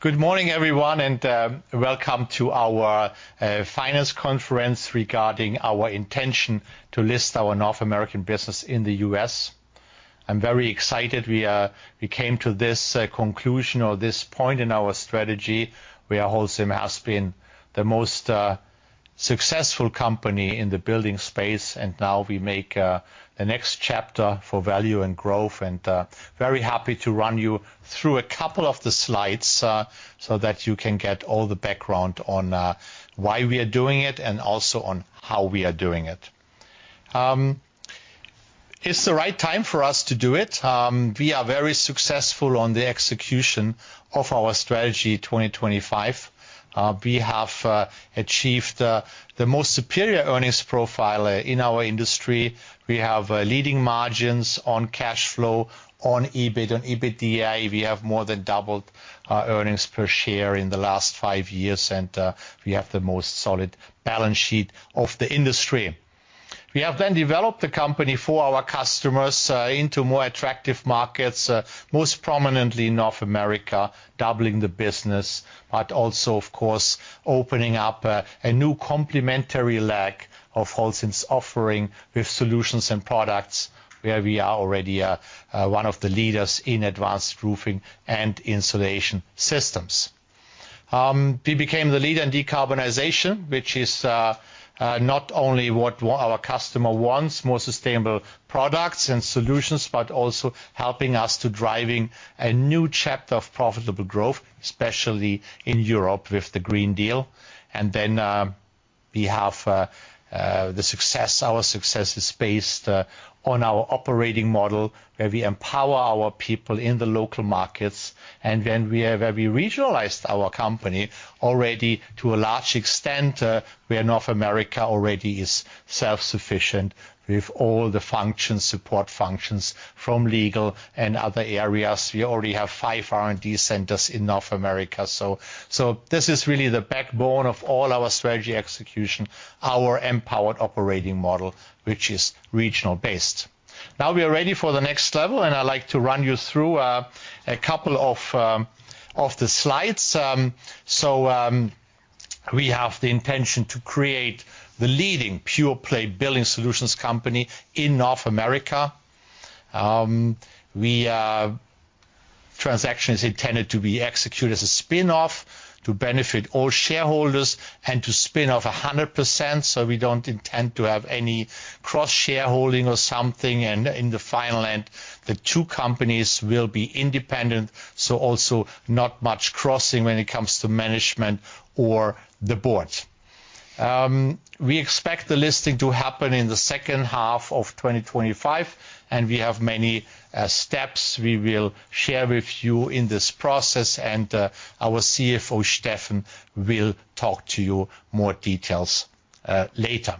Good morning, everyone, and welcome to our finance conference regarding our intention to list our North American business in the U.S. I'm very excited we came to this conclusion or this point in our strategy, where Holcim has been the most successful company in the building space, and now we make the next chapter for value and growth. Very happy to run you through a couple of the slides so that you can get all the background on why we are doing it, and also on how we are doing it. It's the right time for us to do it. We are very successful on the execution of our Strategy 2025. We have achieved the most superior earnings profile in our industry. We have leading margins on cash flow, on EBIT and EBITDA. We have more than doubled our earnings per share in the last five years, and we have the most solid balance sheet of the industry. We have then developed the company for our customers into more attractive markets, most prominently in North America, doubling the business, but also, of course, opening up a new complementary leg of Holcim's offering with Solutions & Products, where we are already one of the leaders in advanced Roofing and insulation systems. We became the leader in decarbonization, which is not only what our customer wants, more sustainable products and solutions, but also helping us to driving a new chapter of profitable growth, especially in Europe with the Green Deal. And then we have the success. Our success is based on our operating model, where we empower our people in the local markets. And when we have, we regionalized our company already to a large extent, where North America already is self-sufficient with all the functions, support functions, from legal and other areas. We already have five R&D centers in North America. So this is really the backbone of all our strategy execution, our empowered operating model, which is regional based. Now we are ready for the next level, and I'd like to run you through a couple of the slides. So we have the intention to create the leading pure-play building solutions company in North America. We... Transaction is intended to be executed as a spin-off to benefit all shareholders and to spin off 100%, so we don't intend to have any cross-shareholding or something. And in the final end, the two companies will be independent, so also not much crossing when it comes to management or the board. We expect the listing to happen in the second half of 2025, and we have many steps we will share with you in this process, and our CFO, Steffen, will talk to you more details later.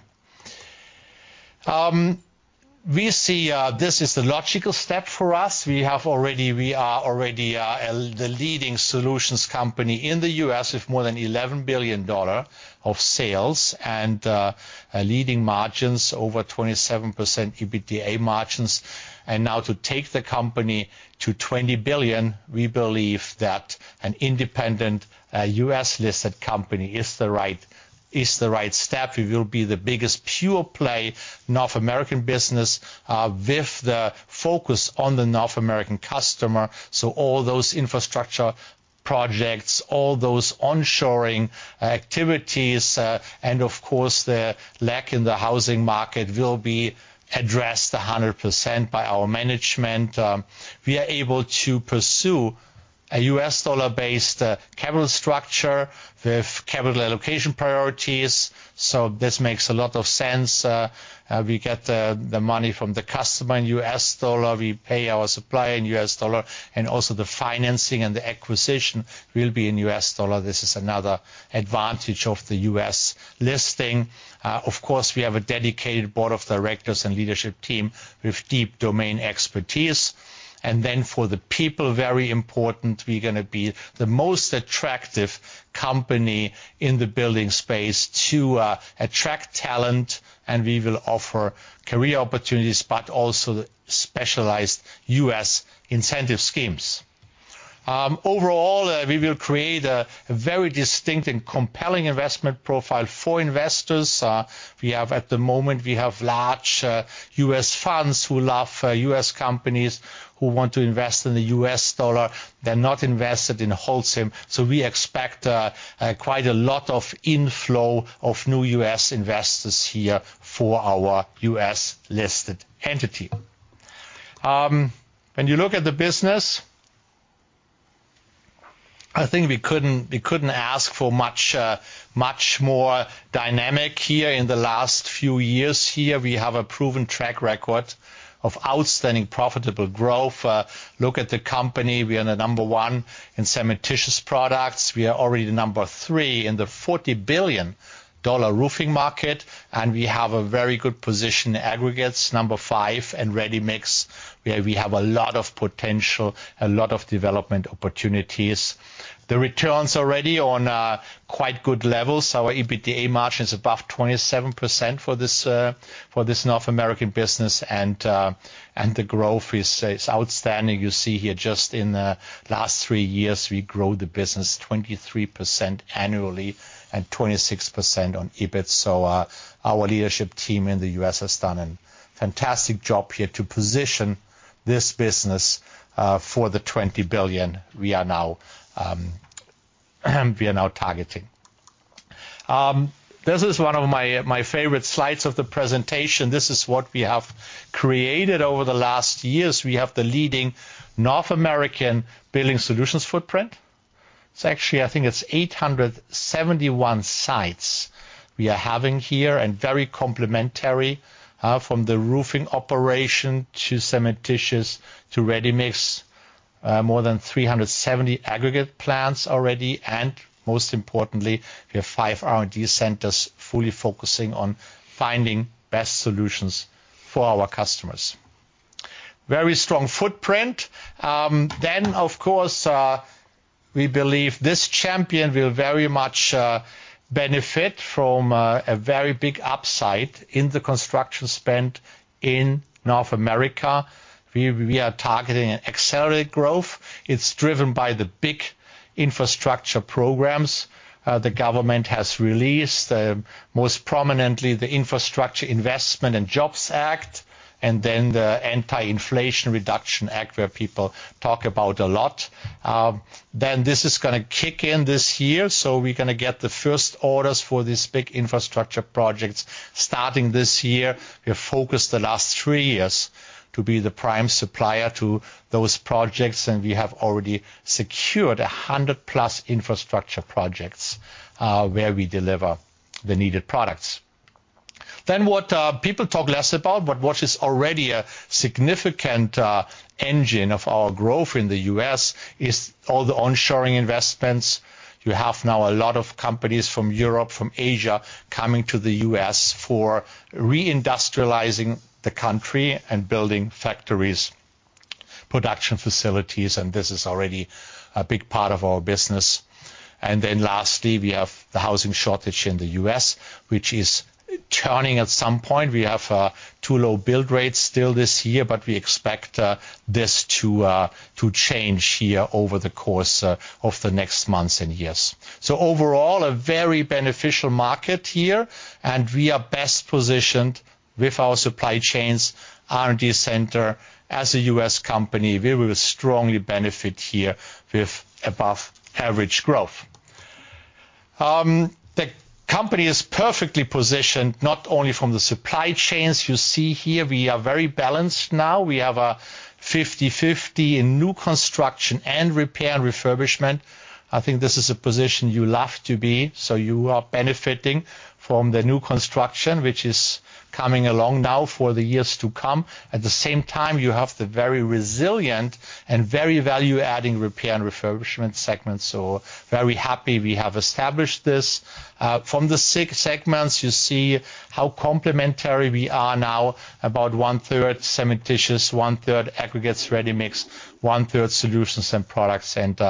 We see this as the logical step for us. We are already the leading solutions company in the U.S., with more than $11 billion of sales and a leading margins, over 27% EBITDA margins. Now to take the company to $20 billion, we believe that an independent, U.S.-listed company is the right, is the right step. We will be the biggest pure-play North American business, with the focus on the North American customer. So all those infrastructure projects, all those onshoring activities, and of course, the lack in the housing market, will be addressed 100% by our management. We are able to pursue a U.S. dollar-based, capital structure with capital allocation priorities, so this makes a lot of sense. We get the, the money from the customer in U.S. dollar, we pay our supplier in U.S. dollar, and also the financing and the acquisition will be in U.S. dollar. This is another advantage of the U.S. listing. Of course, we have a dedicated board of directors and leadership team with deep domain expertise. And then for the people, very important, we're gonna be the most attractive company in the building space to attract talent, and we will offer career opportunities, but also the specialized U.S. incentive schemes. Overall, we will create a very distinct and compelling investment profile for investors. We have, at the moment, we have large U.S. funds who love U.S. companies, who want to invest in the U.S. dollar. They're not invested in Holcim, so we expect quite a lot of inflow of new U.S. investors here for our U.S.-listed entity. When you look at the business, I think we couldn't, we couldn't ask for much more dynamic here in the last few years. Here, we have a proven track record of outstanding profitable growth. Look at the company. We are the number one in cementitious products. We are already the number 3 in the $40 billion Roofing market, and we have a very good position in Aggregates, number 5, and Ready-Mix, where we have a lot of potential, a lot of development opportunities. The returns already on quite good levels. Our EBITDA margin is above 27% for this North American business, and the growth is, is outstanding. You see here just in the last three years, we grew the business 23% annually and 26% on EBIT. So our leadership team in the U.S. has done a fantastic job here to position this business for the $20 billion we are now, we are now targeting. This is one of my, my favorite slides of the presentation. This is what we have created over the last years. We have the leading North American building solutions footprint. It's actually, I think it's 871 sites we are having here, and very complementary, from the Roofing operation to cementitious, to Ready-Mix, more than 370 aggregate plants already, and most importantly, we have five R&D centers fully focusing on finding best solutions for our customers. Very strong footprint. Then, of course, we believe this champion will very much benefit from a very big upside in the construction spend in North America. We are targeting an accelerated growth. It's driven by the big infrastructure programs the government has released, most prominently, the Infrastructure Investment and Jobs Act, and then the Anti-Inflation Reduction Act, where people talk about a lot. Then this is gonna kick in this year, so we're gonna get the first orders for these big infrastructure projects starting this year. We have focused the last three years to be the prime supplier to those projects, and we have already secured 100+ infrastructure projects, where we deliver the needed products. Then what people talk less about, but what is already a significant engine of our growth in the U.S., is all the onshoring investments. You have now a lot of companies from Europe, from Asia, coming to the U.S. for reindustrializing the country and building factories, production facilities, and this is already a big part of our business. And then lastly, we have the housing shortage in the U.S., which is turning at some point. We have too low build rates still this year, but we expect this to change here over the course of the next months and years. So overall, a very beneficial market here, and we are best positioned with our supply chains, R&D center. As a U.S. company, we will strongly benefit here with above-average growth. The company is perfectly positioned, not only from the supply chains. You see here, we are very balanced now. We have a 50/50 in new construction and repair and refurbishment. I think this is a position you love to be, so you are benefiting from the new construction, which is coming along now for the years to come. At the same time, you have the very resilient and very value-adding repair and refurbishment segment. So very happy we have established this. From the six segments, you see how complementary we are now, about 1/3 Cementitious, 1/3 Aggregates, Ready-Mix, 1/3 Solutions & Products, and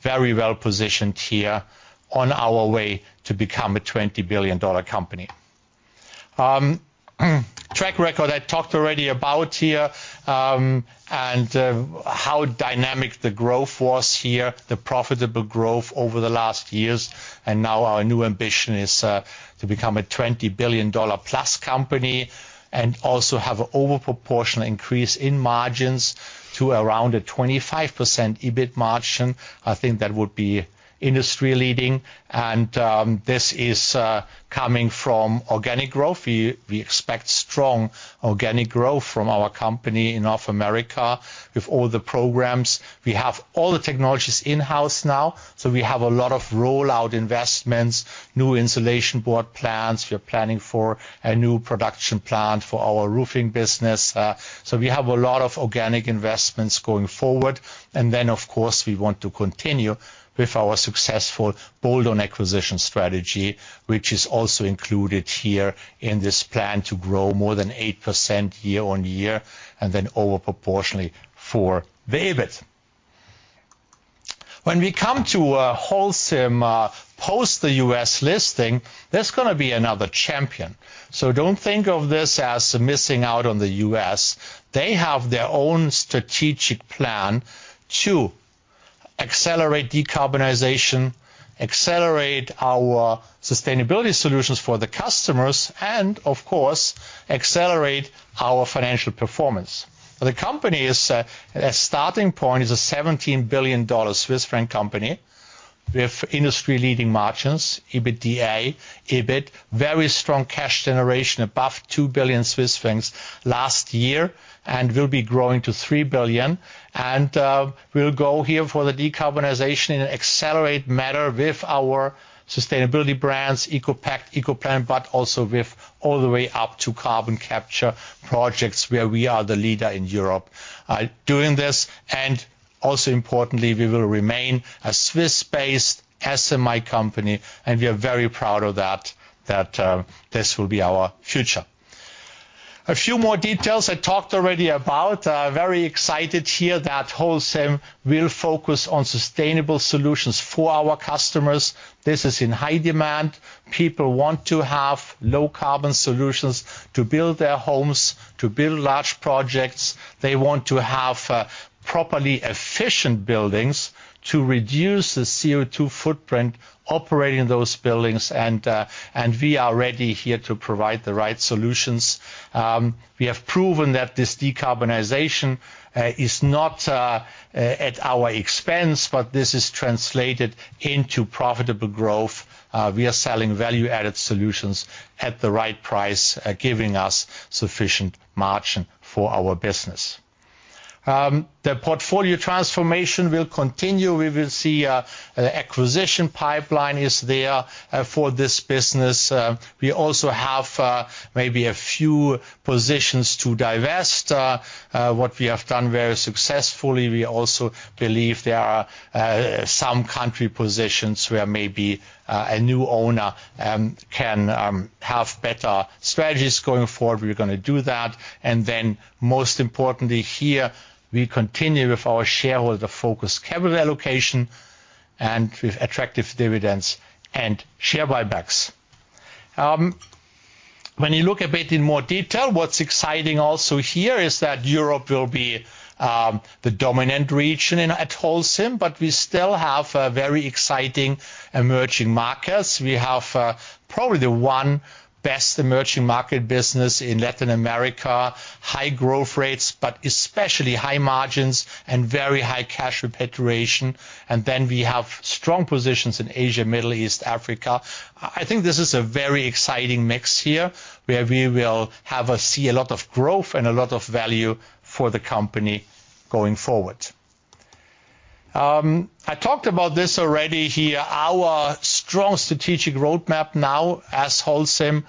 very well positioned here on our way to become a $20 billion company. Track record, I talked already about here, and how dynamic the growth was here, the profitable growth over the last years. Now our new ambition is to become a $20 billion+ company and also have an overproportional increase in margins to around a 25% EBIT margin. I think that would be industry-leading, and this is coming from organic growth. We expect strong organic growth from our company in North America with all the programs. We have all the technologies in-house now, so we have a lot of rollout investments, new insulation board plans. We're planning for a new production plant for our Roofing business. So we have a lot of organic investments going forward. And then, of course, we want to continue with our successful build on acquisition strategy, which is also included here in this plan to grow more than 8% year-on-year, and then over proportionally for the EBIT. When we come to Holcim post the U.S. listing, there's gonna be another champion. So don't think of this as missing out on the U.S. They have their own strategic plan to accelerate decarbonization, accelerate our sustainability solutions for the customers, and of course, accelerate our financial performance. The company is a starting point, is a $17 billion Swiss franc company with industry-leading margins, EBITDA, EBIT, very strong cash generation, above 2 billion Swiss francs last year, and will be growing to 3 billion. And we'll go here for the decarbonization in an accelerated matter with our sustainability brands, ECOPact, ECOPlanet, but also with all the way up to carbon capture projects, where we are the leader in Europe. Doing this, and also importantly, we will remain a Swiss-based SMI company, and we are very proud of that, that this will be our future. A few more details I talked already about. Very excited here that Holcim will focus on sustainable solutions for our customers. This is in high demand. People want to have low carbon solutions to build their homes, to build large projects. They want to have properly efficient buildings to reduce the CO2 footprint operating those buildings, and and we are ready here to provide the right solutions. We have proven that this decarbonization is not at our expense, but this is translated into profitable growth. We are selling value-added solutions at the right price, giving us sufficient margin for our business. The portfolio transformation will continue. We will see an acquisition pipeline is there for this business. We also have maybe a few positions to divest what we have done very successfully. We also believe there are some country positions where maybe a new owner can have better strategies going forward. We're gonna do that. And then, most importantly here, we continue with our shareholder focus capital allocation and with attractive dividends and share buybacks. When you look a bit in more detail, what's exciting also here is that Europe will be the dominant region in at Holcim, but we still have very exciting emerging markets. We have probably the one best emerging market business in Latin America. High growth rates, but especially high margins and very high cash repatriation. Then we have strong positions in Asia, Middle East, Africa. I think this is a very exciting mix here, where we will have see a lot of growth and a lot of value for the company going forward. I talked about this already here, our strong strategic roadmap now as Holcim,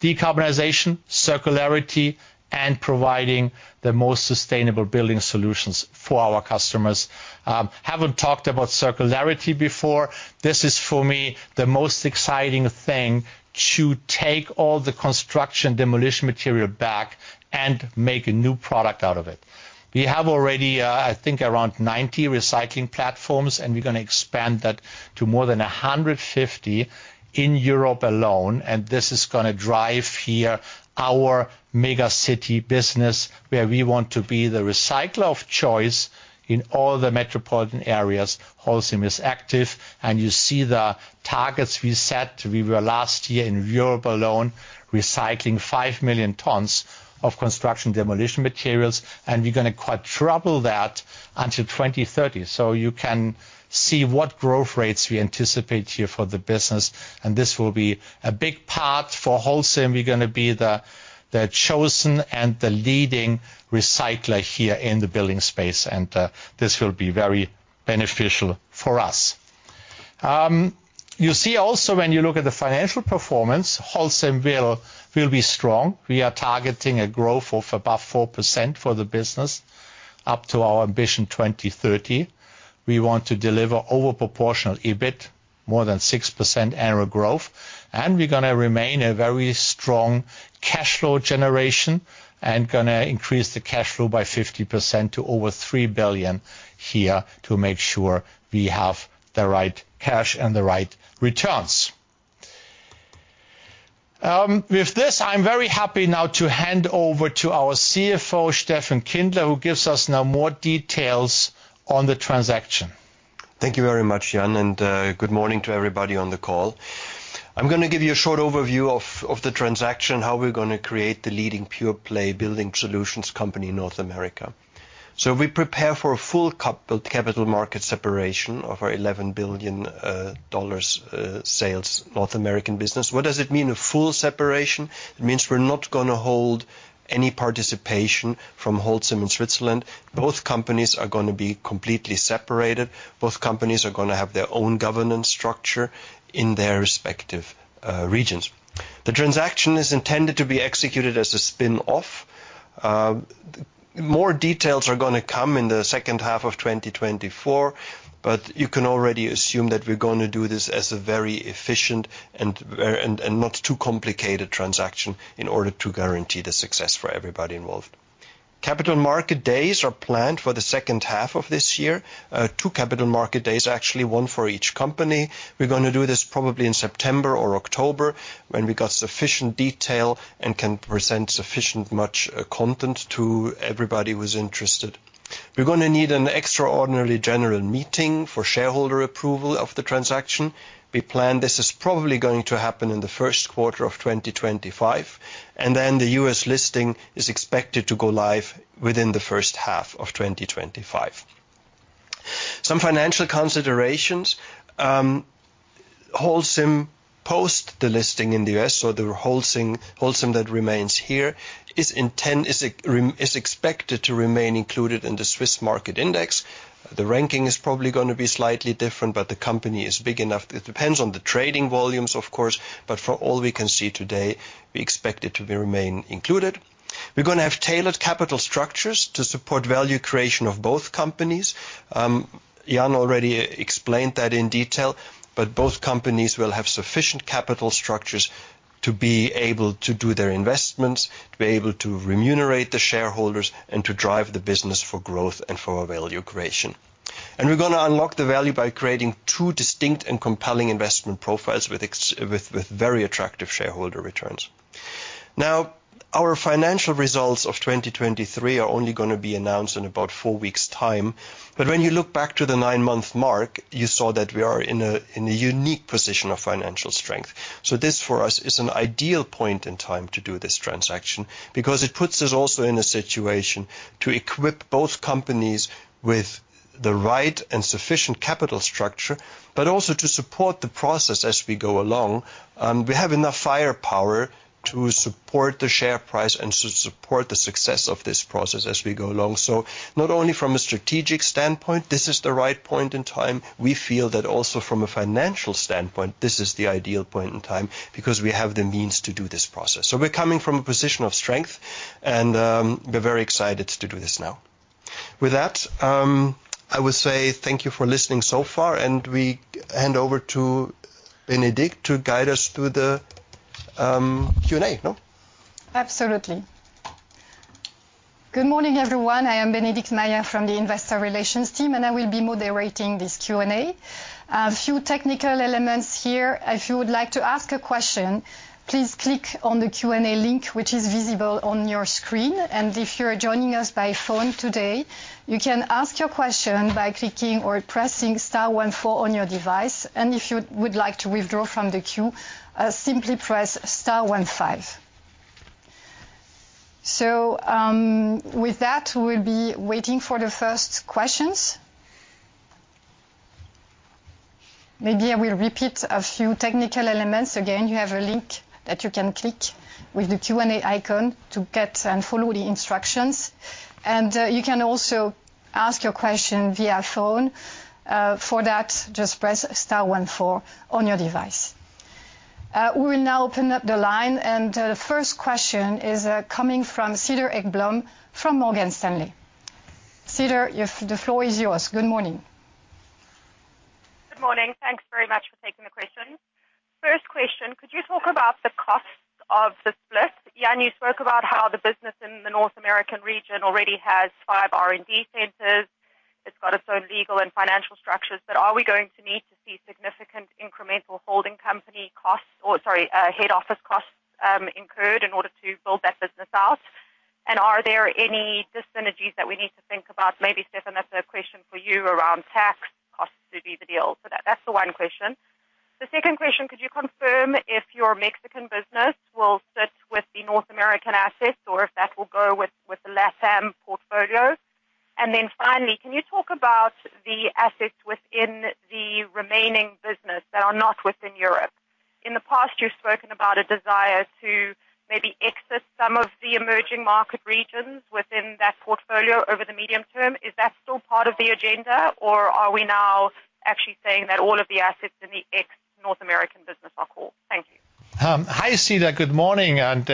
decarbonization, circularity, and providing the most sustainable building solutions for our customers. Haven't talked about circularity before. This is, for me, the most exciting thing, to take all the construction demolition material back and make a new product out of it. We have already, I think, around 90 recycling platforms, and we're gonna expand that to more than 150 in Europe alone, and this is gonna drive here our mega city business, where we want to be the recycler of choice in all the metropolitan areas Holcim is active. You see the targets we set. We were last year, in Europe alone, recycling 5 million tons of construction demolition materials, and we're gonna quadruple that until 2030. You can see what growth rates we anticipate here for the business, and this will be a big part for Holcim. We're gonna be the, the chosen and the leading recycler here in the building space, and this will be very beneficial for us. You see also when you look at the financial performance, Holcim will, will be strong. We are targeting a growth of above 4% for the business, up to our ambition, 2030. We want to deliver over proportional EBIT, more than 6% annual growth, and we're gonna remain a very strong cash flow generation, and gonna increase the cash flow by 50% to over 3 billion here to make sure we have the right cash and the right returns. With this, I'm very happy now to hand over to our CFO, Steffen Kindler, who gives us now more details on the transaction. Thank you very much, Jan, and good morning to everybody on the call. I'm gonna give you a short overview of the transaction, how we're gonna create the leading pure-play building solutions company in North America. So we prepare for a full capital market separation of our $11 billion sales North American business. What does it mean, a full separation? It means we're not gonna hold any participation from Holcim in Switzerland. Both companies are gonna be completely separated. Both companies are gonna have their own governance structure in their respective regions. The transaction is intended to be executed as a spin-off. More details are gonna come in the second half of 2024, but you can already assume that we're gonna do this as a very efficient and very not too complicated transaction in order to guarantee the success for everybody involved. Capital Market Days are planned for the second half of this year. Two Capital Market Days, actually, one for each company. We're gonna do this probably in September or October, when we got sufficient detail and can present sufficient much content to everybody who's interested. We're gonna need an extraordinary general meeting for shareholder approval of the transaction. We plan this is probably going to happen in the first quarter of 2025, and then the U.S. listing is expected to go live within the first half of 2025. Some financial considerations. Holcim, post the listing in the U.S., so the Holcim, Holcim that remains here, is expected to remain included in the Swiss Market Index. The ranking is probably gonna be slightly different, but the company is big enough. It depends on the trading volumes, of course, but for all we can see today, we expect it to remain included.... We're gonna have tailored capital structures to support value creation of both companies. Jan already explained that in detail, but both companies will have sufficient capital structures to be able to do their investments, to be able to remunerate the shareholders, and to drive the business for growth and for value creation. And we're gonna unlock the value by creating two distinct and compelling investment profiles with very attractive shareholder returns. Now, our financial results of 2023 are only gonna be announced in about four weeks time, but when you look back to the nine-month mark, you saw that we are in a unique position of financial strength. So this, for us, is an ideal point in time to do this transaction, because it puts us also in a situation to equip both companies with the right and sufficient capital structure, but also to support the process as we go along. We have enough firepower to support the share price and to support the success of this process as we go along. So not only from a strategic standpoint, this is the right point in time, we feel that also from a financial standpoint, this is the ideal point in time, because we have the means to do this process. So we're coming from a position of strength, and we're very excited to do this now. With that, I will say thank you for listening so far, and we hand over to Bénédicte to guide us through the Q&A. No? Absolutely. Good morning, everyone. I am Bénédicte Mayer from the investor relations team, and I will be moderating this Q&A. A few technical elements here. If you would like to ask a question, please click on the Q&A link, which is visible on your screen. And if you are joining us by phone today, you can ask your question by clicking or pressing star one four on your device. And if you would like to withdraw from the queue, simply press star one five. So, with that, we'll be waiting for the first questions. Maybe I will repeat a few technical elements. Again, you have a link that you can click with the Q&A icon to get and follow the instructions. And, you can also ask your question via phone. For that, just press star one four on your device. We will now open up the line, and the first question is coming from Cedar Ekblom, from Morgan Stanley. Cedar, the floor is yours. Good morning. Good morning. Thanks very much for taking the question. First question, could you talk about the costs of the split? Jan, you spoke about how the business in the North American region already has five R&D centers. It's got its own legal and financial structures, but are we going to need to see significant incremental holding company costs, or, sorry, head office costs, incurred in order to build that business out? And are there any dis-synergies that we need to think about? Maybe, Steffen, that's a question for you around tax costs to do the deal. So that, that's the one question. The second question, could you confirm if your Mexican business will sit with the North American assets or if that will go with the LATAM portfolio? And then finally, can you talk about the assets within the remaining business that are not within Europe? In the past, you've spoken about a desire to maybe exit some of the emerging market regions within that portfolio over the medium term. Is that still part of the agenda, or are we now actually saying that all of the assets in the ex-North American business are cool? Thank you. Hi, Cedar. Good morning, and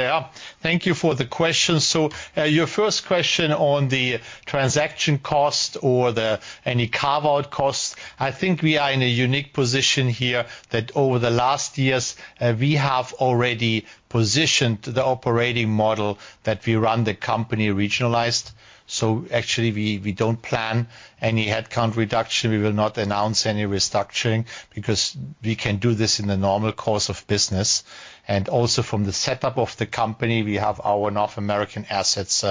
thank you for the question. So, your first question on the transaction cost or the any carve-out costs, I think we are in a unique position here that over the last years, we have already positioned the operating model that we run the company regionalized. So actually, we, we don't plan any headcount reduction. We will not announce any restructuring because we can do this in the normal course of business. And also from the setup of the company, we have our North American assets,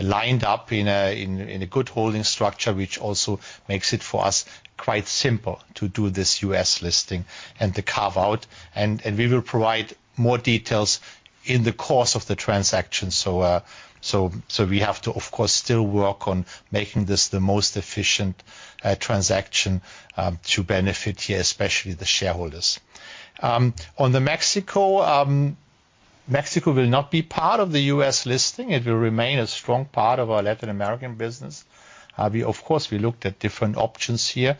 lined up in a, in, in a good holding structure, which also makes it for us, quite simple to do this U.S. listing and the carve out, and, and we will provide more details in the course of the transaction. We have to, of course, still work on making this the most efficient transaction to benefit, yeah, especially the shareholders. On Mexico, Mexico will not be part of the U.S. listing. It will remain a strong part of our Latin American business. We of course looked at different options here.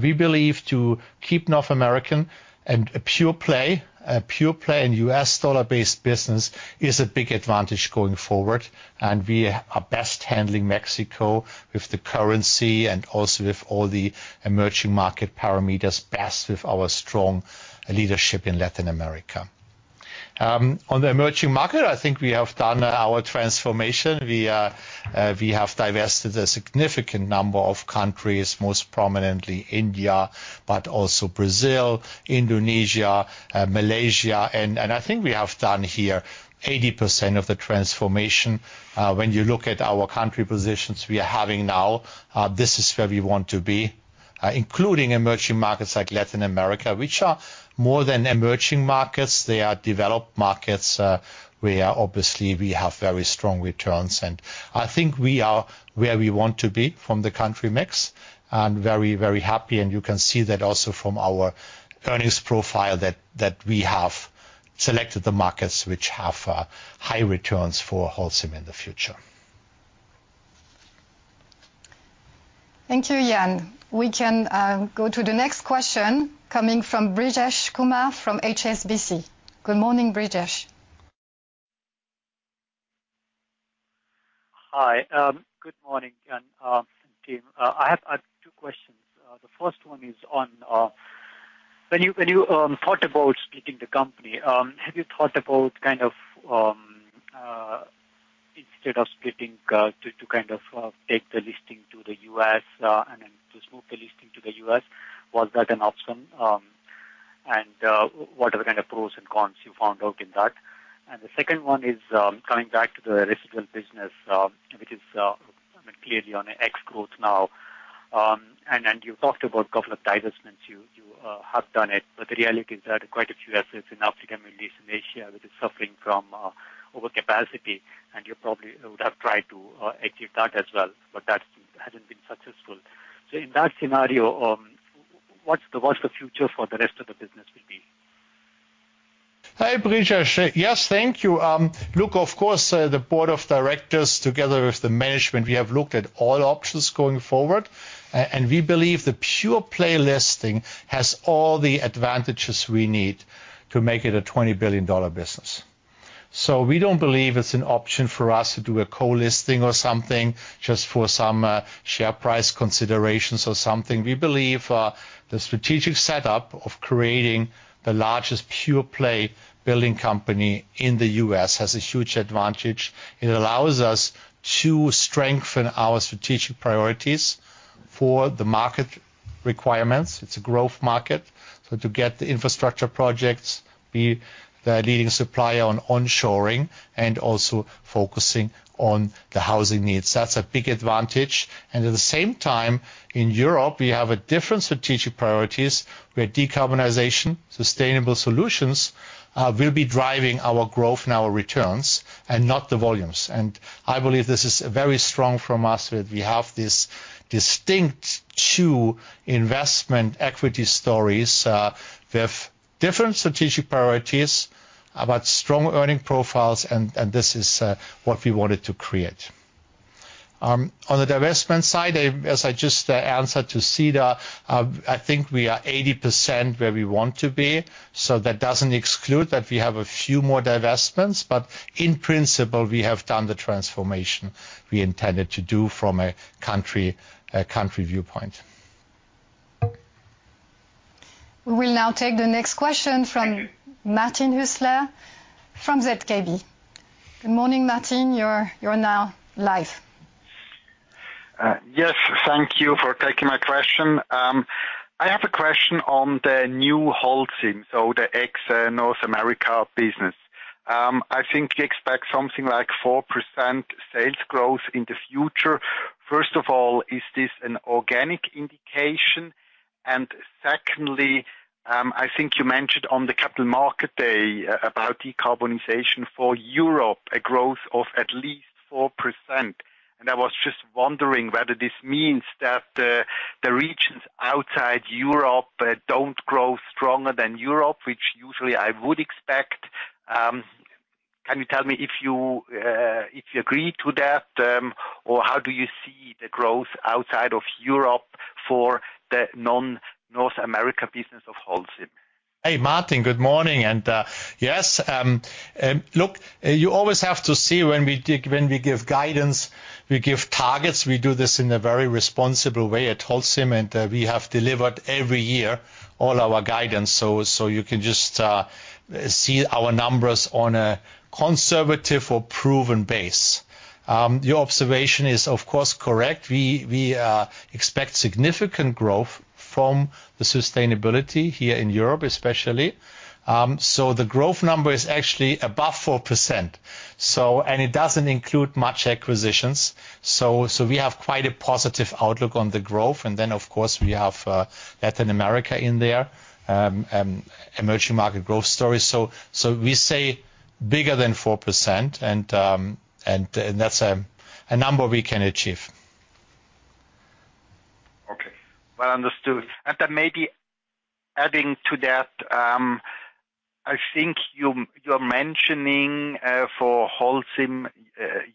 We believe to keep North American and a pure play, a pure play in U.S. dollar-based business is a big advantage going forward, and we are best handling Mexico with the currency and also with all the emerging market parameters, best with our strong leadership in Latin America. On the emerging market, I think we have done our transformation. We are, we have divested a significant number of countries, most prominently India, but also Brazil, Indonesia, Malaysia, and, and I think we have done here 80% of the transformation. When you look at our country positions we are having now, this is where we want to be, including emerging markets like Latin America, which are more than emerging markets. They are developed markets, where obviously we have very strong returns. And I think we are where we want to be from the country mix, and very, very happy. And you can see that also from our earnings profile that, that we have selected the markets which have, high returns for Holcim in the future.... Thank you, Jan. We can go to the next question coming from Brijesh Kumar from HSBC. Good morning, Brijesh. Hi, good morning, and team. I have two questions. The first one is on when you thought about splitting the company, have you thought about kind of instead of splitting to kind of take the listing to the U.S. and then to move the listing to the U.S., was that an option? And what are the kind of pros and cons you found out in that? And the second one is coming back to the residual business, which is, I mean, clearly on X growth now. And you talked about couple of divestments. You, you, have done it, but the reality is that quite a few assets in Africa, Middle East, and Asia, that is suffering from overcapacity, and you probably would have tried to achieve that as well, but that hasn't been successful. So in that scenario, what's the future for the rest of the business will be? Hi, Brijesh. Yes, thank you. Look, of course, the board of directors together with the management, we have looked at all options going forward, and we believe the pure play listing has all the advantages we need to make it a $20 billion business. So we don't believe it's an option for us to do a co-listing or something just for some share price considerations or something. We believe the strategic setup of creating the largest pure play building company in the U.S. has a huge advantage. It allows us to strengthen our strategic priorities for the market requirements. It's a growth market, so to get the infrastructure projects, be the leading supplier on onshoring and also focusing on the housing needs, that's a big advantage. At the same time, in Europe, we have a different strategic priorities, where decarbonization, sustainable solutions, will be driving our growth and our returns and not the volumes. I believe this is very strong from us, that we have this distinct two investment equity stories, with different strategic priorities, about strong earning profiles, and this is what we wanted to create. On the divestment side, as I just answered to Cedar, I think we are 80% where we want to be, so that doesn't exclude that we have a few more divestments, but in principle, we have done the transformation we intended to do from a country viewpoint. We will now take the next question from Martin Hüsler from ZKB. Good morning, Martin. You're now live. Yes, thank you for taking my question. I have a question on the new Holcim, so the ex-North America business. I think you expect something like 4% sales growth in the future. First of all, is this an organic indication? And secondly, I think you mentioned on the Capital Market Day about decarbonization for Europe, a growth of at least 4%. And I was just wondering whether this means that the regions outside Europe don't grow stronger than Europe, which usually I would expect. Can you tell me if you agree to that, or how do you see the growth outside of Europe for the non-North America business of Holcim? Hey, Martin, good morning. Yes, look, you always have to see when we dig, when we give guidance, we give targets. We do this in a very responsible way at Holcim, and we have delivered every year all our guidance. So you can just see our numbers on a conservative or proven base. Your observation is, of course, correct. We expect significant growth from the sustainability here in Europe, especially. So the growth number is actually above 4%, so... and it doesn't include much acquisitions. So we have quite a positive outlook on the growth, and then, of course, we have Latin America in there, emerging market growth stories. So we say bigger than 4%, and that's a number we can achieve. Okay, well, understood. And then maybe adding to that, I think you, you're mentioning, for Holcim,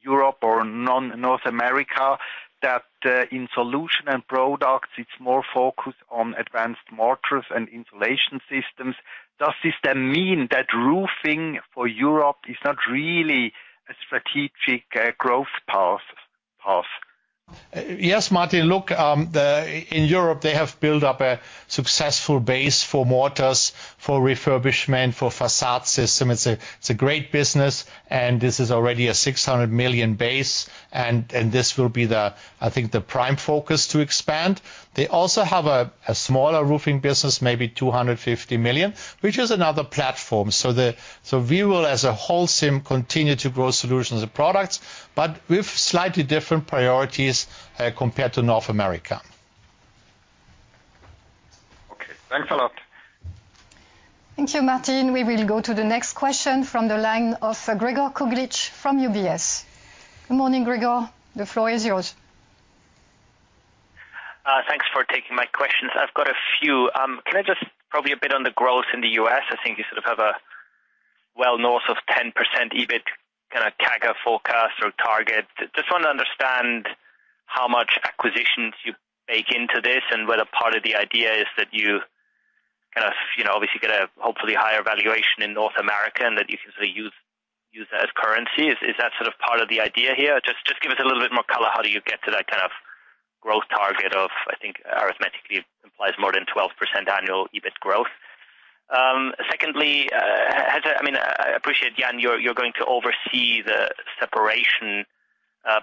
Europe or non-North America, that, in solution and products, it's more focused on advanced mortars and insulation systems. Does this then mean that Roofing for Europe is not really a strategic growth path? Yes, Martin. Look, in Europe, they have built up a successful base for mortars, for refurbishment, for facade system. It's a great business, and this is already a 600 million base, and this will be the, I think, the prime focus to expand. They also have a smaller Roofing business, maybe 250 million, which is another platform. So we will, as a Holcim, continue to grow Solutions & Products, but with slightly different priorities compared to North America. Okay, thanks a lot. Thank you, Martin. We will go to the next question from the line of Gregor Kuglitsch from UBS. Good morning, Gregor. The floor is yours. Thanks for taking my questions. I've got a few. Can I just probably a bit on the growth in the U.S.? I think you sort of have a well north of 10% EBIT kind of CAGR forecast or target. Just want to understand how much acquisitions you bake into this, and whether part of the idea is that you kind of, you know, obviously get a hopefully higher valuation in North America, and that you can use that as currency. Is that sort of part of the idea here? Just give us a little bit more color. How do you get to that kind of growth target of, I think, arithmetically implies more than 12% annual EBIT growth. Secondly, as I mean, I appreciate, Jan, you're going to oversee the separation,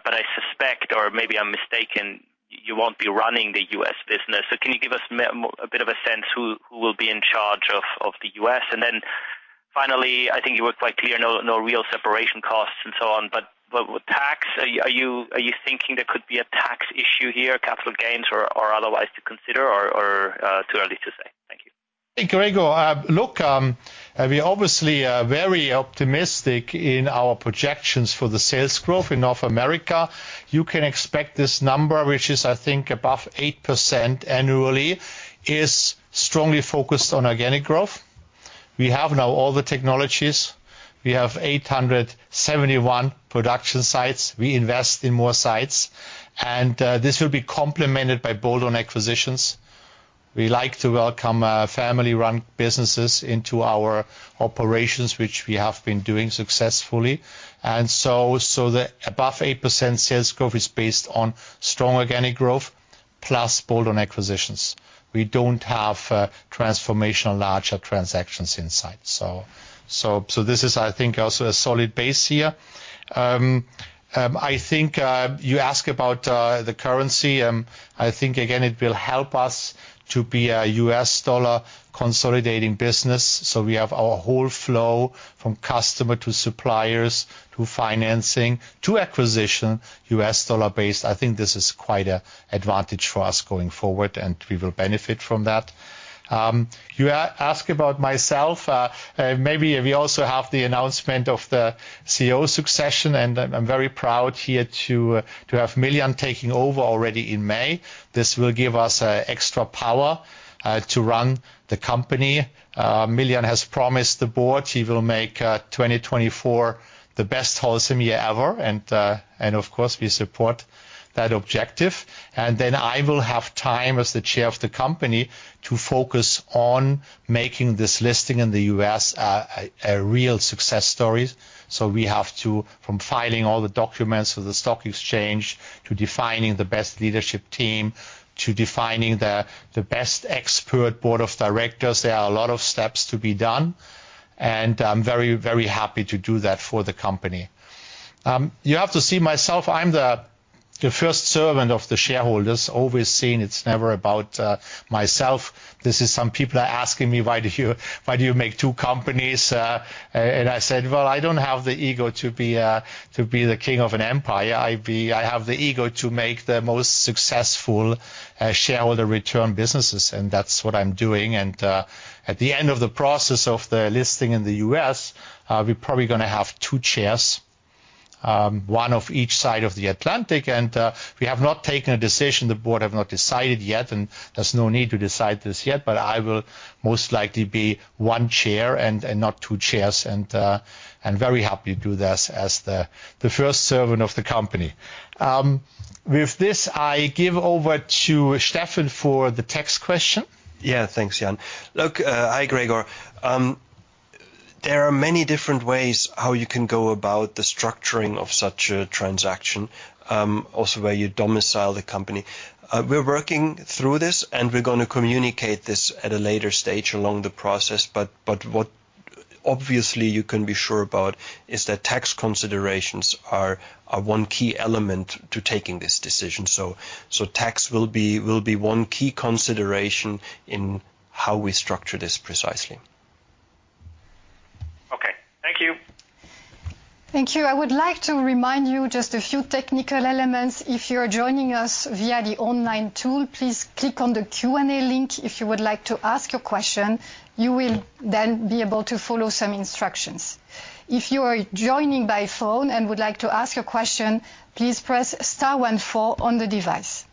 but I suspect, or maybe I'm mistaken, you won't be running the U.S. business. So can you give us more, a bit of a sense who will be in charge of the U.S.? And then finally, I think you were quite clear, no, no real separation costs and so on. But, but with tax, are you, are you thinking there could be a tax issue here, capital gains or, or, otherwise to consider, or, or, too early to say? Thank you. Hey, Gregor. Look, we obviously are very optimistic in our projections for the sales growth in North America. You can expect this number, which is, I think, above 8% annually, is strongly focused on organic growth. We have now all the technologies. We have 871 production sites. We invest in more sites, and this will be complemented by bolt-on acquisitions. We like to welcome family-run businesses into our operations, which we have been doing successfully. And so, so the above 8% sales growth is based on strong organic growth, plus bolt-on acquisitions. We don't have transformational larger transactions in sight. So this is, I think, also a solid base here. I think you ask about the currency. I think, again, it will help us to be a U.S. dollar consolidating business. So we have our whole flow from customer to suppliers to financing to acquisition, U.S. dollar based. I think this is quite a advantage for us going forward, and we will benefit from that. You ask about myself. Maybe we also have the announcement of the CEO succession, and I'm, I'm very proud here to, to have Miljan taking over already in May. This will give us extra power to run the company. Miljan has promised the board he will make 2024 the best Holcim year ever, and, and of course, we support that objective. And then I will have time, as the chair of the company, to focus on making this listing in the U.S., a real success stories. So we have to, from filing all the documents with the stock exchange, to defining the best leadership team, to defining the best expert board of directors, there are a lot of steps to be done, and I'm very, very happy to do that for the company. You have to see myself, I'm the first servant of the shareholders. Always saying it's never about myself. This is some people are asking me: Why do you make two companies? And I said, "Well, I don't have the ego to be to be the king of an empire. I have the ego to make the most successful shareholder return businesses," and that's what I'm doing. At the end of the process of the listing in the U.S., we're probably gonna have two chairs, one of each side of the Atlantic. We have not taken a decision, the board have not decided yet, and there's no need to decide this yet, but I will most likely be one chair and not two chairs, and I'm very happy to do this as the first servant of the company. With this, I give over to Steffen for the tax question. Yeah, thanks, Jan. Look, hi, Gregor. There are many different ways how you can go about the structuring of such a transaction, also where you domicile the company. We're working through this, and we're gonna communicate this at a later stage along the process. But what obviously you can be sure about is that tax considerations are one key element to taking this decision. So tax will be one key consideration in how we structure this precisely. Okay. Thank you. Thank you. I would like to remind you just a few technical elements. If you're joining us via the online tool, please click on the Q&A link. If you would like to ask a question, you will then be able to follow some instructions. If you are joining by phone and would like to ask a question, please press star one four on the device.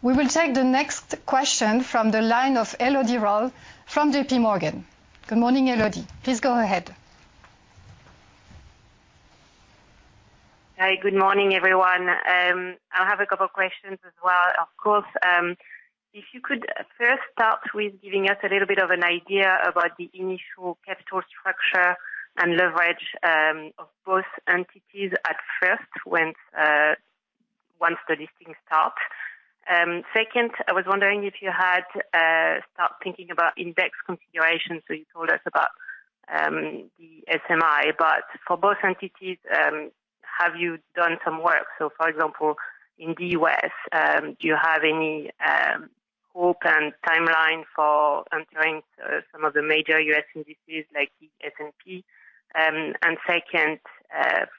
We will take the next question from the line of Elodie Rall from JPMorgan. Good morning, Elodie. Please go ahead. Hi, good morning, everyone. I have a couple questions as well, of course. If you could first start with giving us a little bit of an idea about the initial capital structure and leverage of both entities at first, when once the listing starts. Second, I was wondering if you had start thinking about index configurations. So you told us about the SMI, but for both entities, have you done some work? So, for example, in the U.S., do you have any hope and timeline for entering some of the major US indices, like the S&P? And second,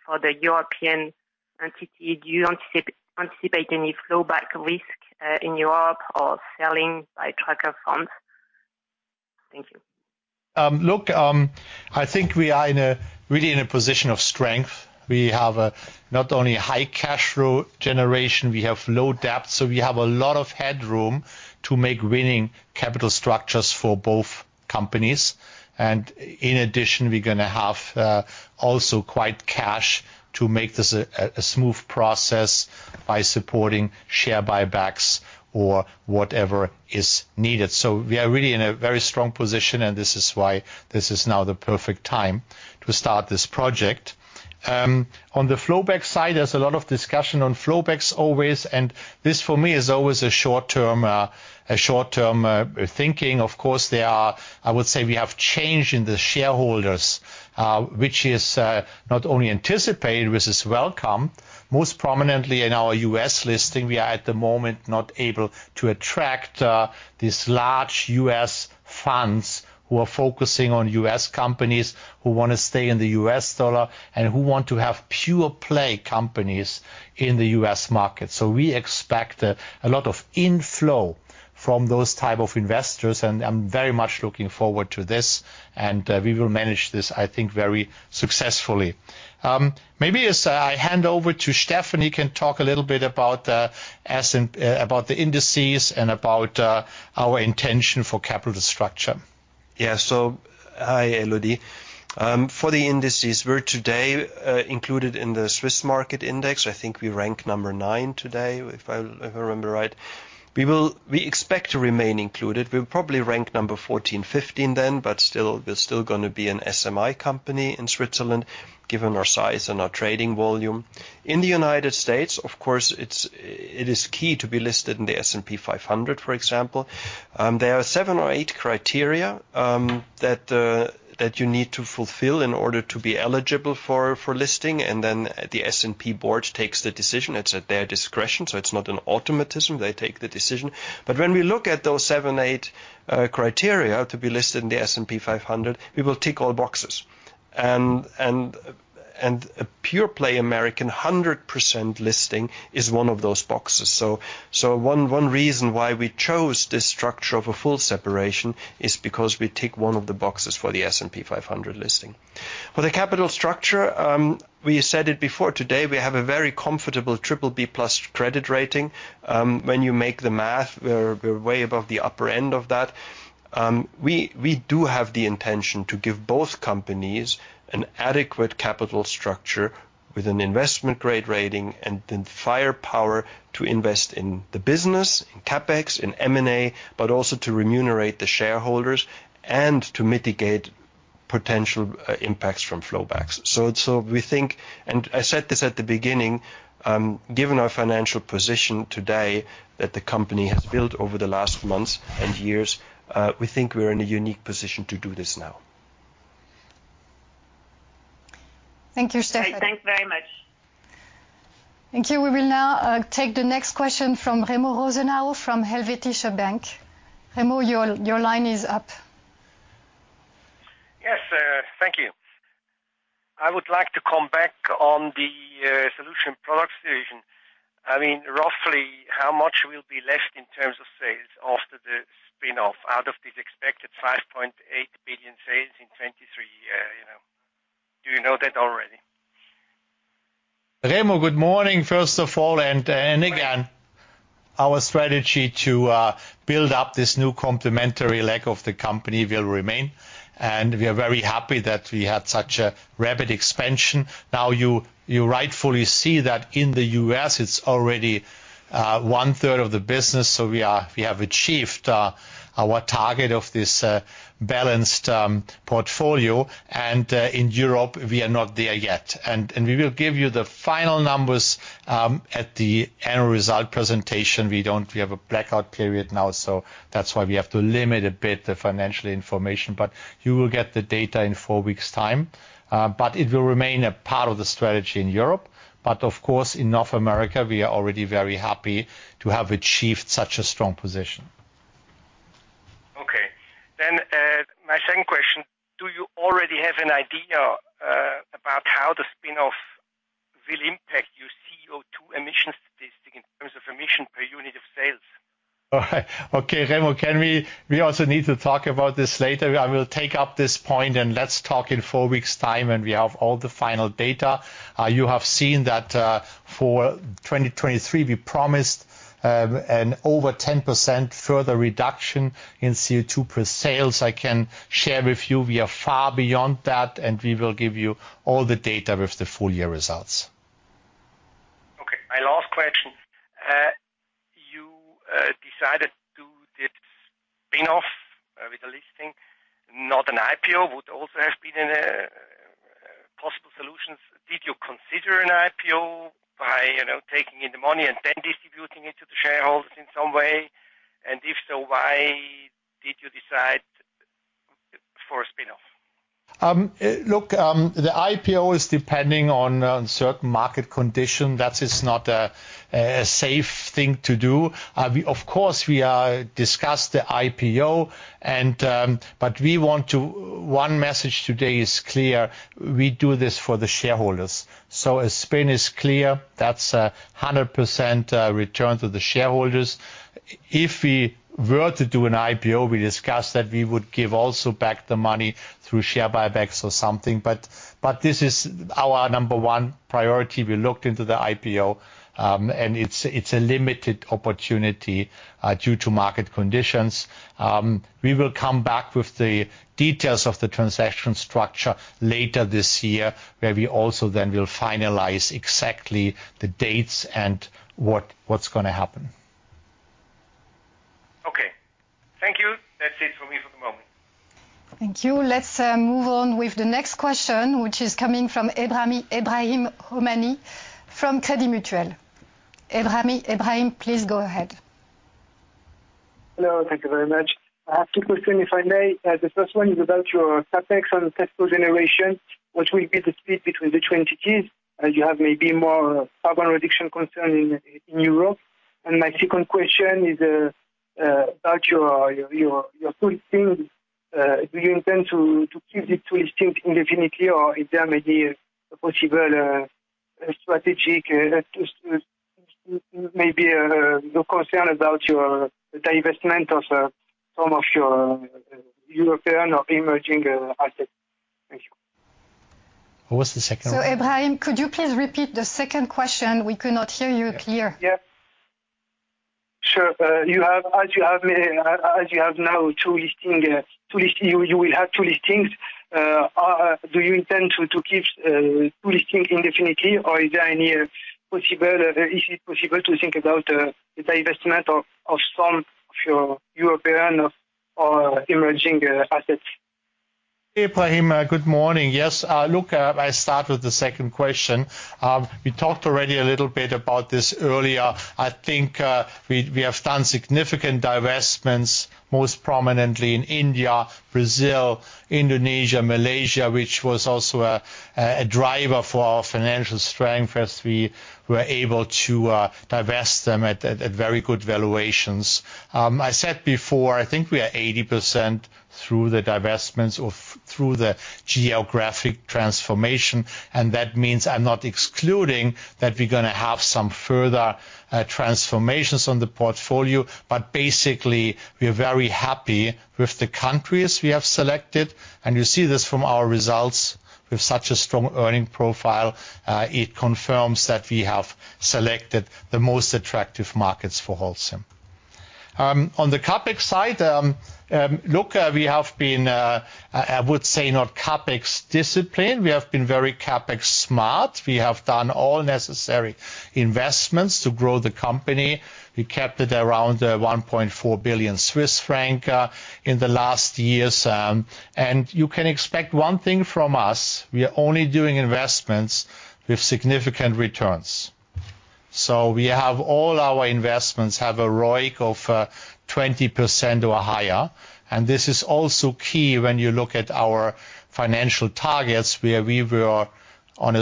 for the European entity, do you anticipate any flowback risk in Europe or selling by tracker funds? Thank you. Look, I think we are really in a position of strength. We have not only a high cash flow generation, we have low debt, so we have a lot of headroom to make winning capital structures for both companies. In addition, we're gonna have also quite cash to make this a smooth process by supporting share buybacks or whatever is needed. So we are really in a very strong position, and this is why this is now the perfect time to start this project. On the flow back side, there's a lot of discussion on flow backs always, and this, for me, is always a short-term thinking. Of course, I would say we have change in the shareholders, which is not only anticipated, which is welcome. Most prominently in our U.S. listing, we are at the moment not able to attract these large U.S. funds who are focusing on U.S. companies, who want to stay in the U.S. dollar, and who want to have pure play companies in the U.S. market. So we expect a lot of inflow from those type of investors, and I'm very much looking forward to this, and we will manage this, I think, very successfully. Maybe as I hand over to Steffen, he can talk a little bit about the indices and about our intention for capital structure. Yeah, so hi, Elodie. For the indices, we're today included in the Swiss Market Index. I think we rank number 9 today, if I remember right. We expect to remain included. We'll probably rank number 14, 15 then, but still, we're still gonna be an SMI company in Switzerland, given our size and our trading volume. In the United States, of course, it is key to be listed in the S&P 500, for example. There are 7 or 8 criteria that you need to fulfill in order to be eligible for listing, and then the S&P board takes the decision. It's at their discretion, so it's not an automatism. They take the decision. But when we look at those 7, 8 criteria to be listed in the S&P 500, we will tick all boxes. A pure-play American 100% listing is one of those boxes. So one reason why we chose this structure of a full separation is because we tick one of the boxes for the S&P 500 listing. For the capital structure, we said it before today, we have a very comfortable BBB+ credit rating. When you make the math, we're way above the upper end of that. We do have the intention to give both companies an adequate capital structure with an investment-grade rating and then firepower to invest in the business, in CapEx, in M&A, but also to remunerate the shareholders and to mitigate potential impacts from flow backs. So we think, and I said this at the beginning, given our financial position today that the company has built over the last months and years, we think we're in a unique position to do this now. Thank you, Steffen. Thanks very much. Thank you. We will now take the next question from Remo Rosenau, from Helvetische Bank. Remo, your, your line is up. Yes, thank you. I would like to come back on the solution products division. I mean, roughly how much will be left in terms of sales after the spin-off, out of these expected 5.8 billion sales in 2023, you know? Do you know that already? Remo, good morning, first of all, and again, our strategy to build up this new complementary leg of the company will remain, and we are very happy that we had such a rapid expansion. Now, you rightfully see that in the U.S., it's already one-third of the business, so we have achieved our target of this balanced portfolio, and in Europe, we are not there yet. And we will give you the final numbers at the annual result presentation. We don't. We have a blackout period now, so that's why we have to limit a bit the financial information, but you will get the data in four weeks time. But it will remain a part of the strategy in Europe. Of course, in North America, we are already very happy to have achieved such a strong position. Okay. Then, my second question: do you already have an idea about how the spin-off will impact your CO2 emissions statistic in terms of emission per unit of sales? Okay, Remo, we also need to talk about this later. I will take up this point, and let's talk in four weeks' time, and we have all the final data. You have seen that, for 2023, we promised an over 10% further reduction in CO2 per sales. I can share with you, we are far beyond that, and we will give you all the data with the full year results. Okay, my last question. You decided to do spin-off with the listing, not an IPO, would also have been a possible solutions. Did you consider an IPO by, you know, taking in the money and then distributing it to the shareholders in some way? And if so, why did you decide for a spin-off? Look, the IPO is depending on certain market condition. That is not a safe thing to do. We of course discussed the IPO and, but we want to—one message today is clear: we do this for the shareholders. So a spin is clear. That's 100% return to the shareholders. If we were to do an IPO, we discussed that we would give also back the money through share buybacks or something, but... But this is our number one priority. We looked into the IPO, and it's a limited opportunity due to market conditions. We will come back with the details of the transaction structure later this year, where we also then will finalize exactly the dates and what's gonna happen. Okay. Thank you. That's it for me for the moment. Thank you. Let's move on with the next question, which is coming from Ebrahim Homani from Crédit Mutuel. Ebrahim Homani, please go ahead. Hello. Thank you very much. I have two questions, if I may. The first one is about your CapEx and cash flow generation, which will be the split between the two entities, as you have maybe more carbon reduction concern in Europe. And my second question is about your twin listing. Do you intend to keep the twin listing indefinitely, or is there maybe a possible strategic maybe your concern about your divestment of some of your European or emerging assets? Thank you. What was the second one? So, Ebrahim, could you please repeat the second question? We could not hear you clear. Yeah. Sure. As you have now two listing, two listing, you will have two listings. Do you intend to keep two listing indefinitely, or is there any possible, is it possible to think about the divestment of some of your European or emerging assets? Hey, Ebrahim, good morning. Yes, look, I start with the second question. We talked already a little bit about this earlier. I think, we, we have done significant divestments, most prominently in India, Brazil, Indonesia, Malaysia, which was also a driver for our financial strength as we were able to divest them at very good valuations. I said before, I think we are 80% through the divestments or through the geographic transformation, and that means I'm not excluding that we're gonna have some further transformations on the portfolio. But basically, we are very happy with the countries we have selected, and you see this from our results. With such a strong earning profile, it confirms that we have selected the most attractive markets for Holcim. On the CapEx side, look, we have been, I would say, not CapEx discipline. We have been very CapEx smart. We have done all necessary investments to grow the company. We kept it around 1.4 billion Swiss franc in the last years. And you can expect one thing from us, we are only doing investments with significant returns. So we have all our investments have a ROIC of 20% or higher, and this is also key when you look at our financial targets, where we were on a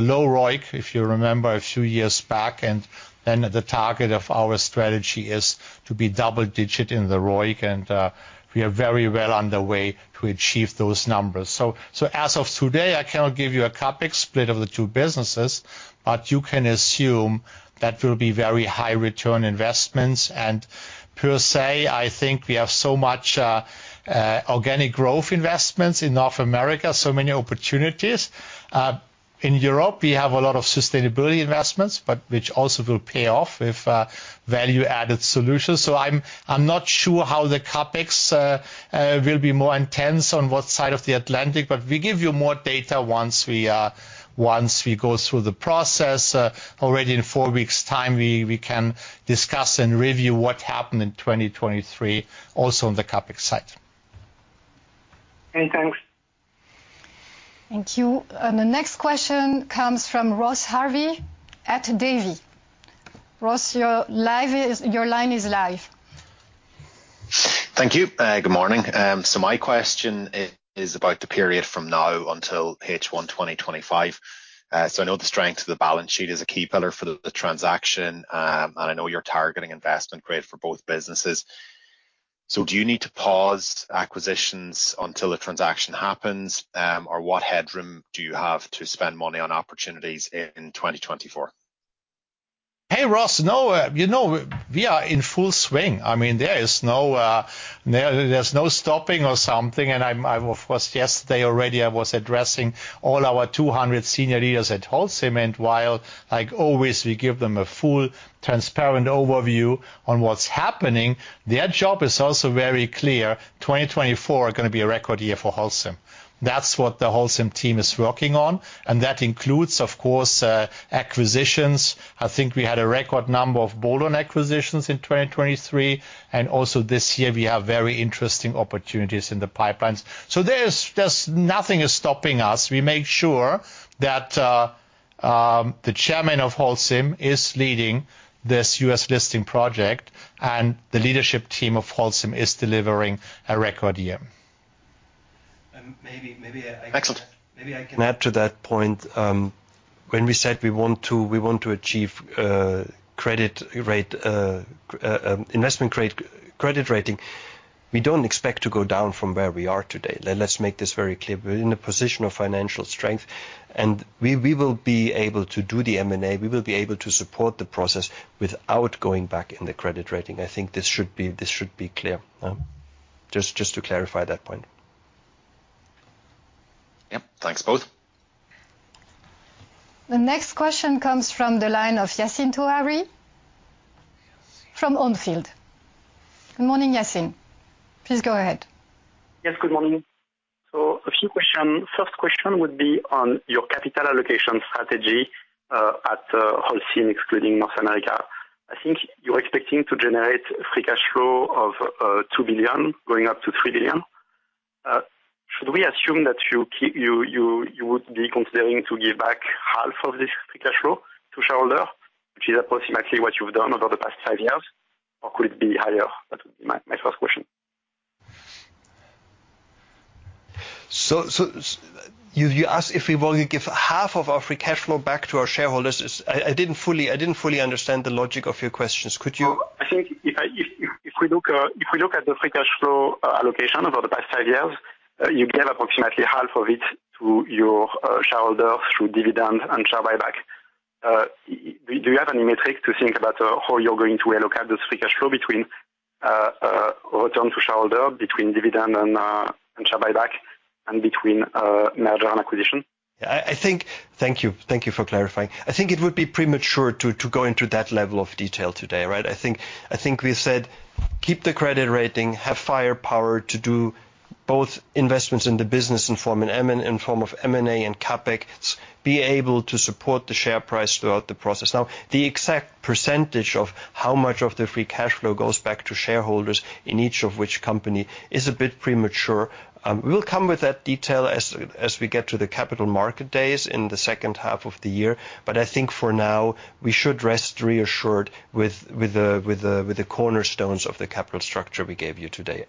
low ROIC, if you remember, a few years back. And then the target of our strategy is to be double-digit in the ROIC, and we are very well on the way to achieve those numbers. So, as of today, I cannot give you a CapEx split of the two businesses, but you can assume that will be very high return investments. And per se, I think we have so much organic growth investments in North America, so many opportunities. In Europe, we have a lot of sustainability investments, but which also will pay off with value-added solutions. So I'm not sure how the CapEx will be more intense on what side of the Atlantic, but we give you more data once we go through the process. Already in four weeks time, we can discuss and review what happened in 2023, also on the CapEx side. Okay, thanks. Thank you. The next question comes from Ross Harvey at Davy. Ross, your line is live. Thank you. Good morning. So my question is about the period from now until H1 2025. So I know the strength of the balance sheet is a key pillar for the transaction, and I know you're targeting investment grade for both businesses. So do you need to pause acquisitions until the transaction happens? Or what headroom do you have to spend money on opportunities in 2024? Hey, Ross. No, you know, we are in full swing. I mean, there is no, there, there's no stopping or something, and I'm, I was, yesterday already, I was addressing all our 200 senior leaders at Holcim, and while, like always, we give them a full, transparent overview on what's happening, their job is also very clear: 2024 are gonna be a record year for Holcim. That's what the Holcim team is working on, and that includes, of course, acquisitions. I think we had a record number of bolt-on acquisitions in 2023, and also this year we have very interesting opportunities in the pipelines. So there's nothing is stopping us. We make sure that, the chairman of Holcim is leading this U.S. listing project, and the leadership team of Holcim is delivering a record year. Maybe, maybe I- Excellent. Maybe I can add to that point. When we said we want to, we want to achieve investment grade credit rating, we don't expect to go down from where we are today. Let's make this very clear. We're in a position of financial strength.... And we will be able to do the M&A, we will be able to support the process without going back in the credit rating. I think this should be, this should be clear. Just to clarify that point. Yep. Thanks, both. The next question comes from the line of Yassine Touahri from On Field. Good morning, Yassine. Please go ahead. Yes, good morning. A few questions. First question would be on your capital allocation strategy at Holcim, excluding North America. I think you're expecting to generate free cash flow of 2 billion, going up to 3 billion. Should we assume that you would be considering to give back half of this free cash flow to shareholder, which is approximately what you've done over the past five years? Or could it be higher? That would be my first question. So, you asked if we will give half of our free cash flow back to our shareholders. I didn't fully understand the logic of your questions. Could you- I think if we look at the free cash flow allocation over the past five years, you gave approximately half of it to your shareholders through dividend and share buyback. Do you have any metrics to think about how you're going to allocate this free cash flow between return to shareholder, between dividend and share buyback and between merger and acquisition? I think. Thank you, thank you for clarifying. I think it would be premature to go into that level of detail today, right? I think we said, keep the credit rating, have firepower to do both investments in the business in form of M&A and CapEx, be able to support the share price throughout the process. Now, the exact percentage of how much of the free cash flow goes back to shareholders in each of which company is a bit premature. We will come with that detail as we get to the Capital Market Days in the second half of the year. But I think for now, we should rest reassured with the cornerstones of the capital structure we gave you today.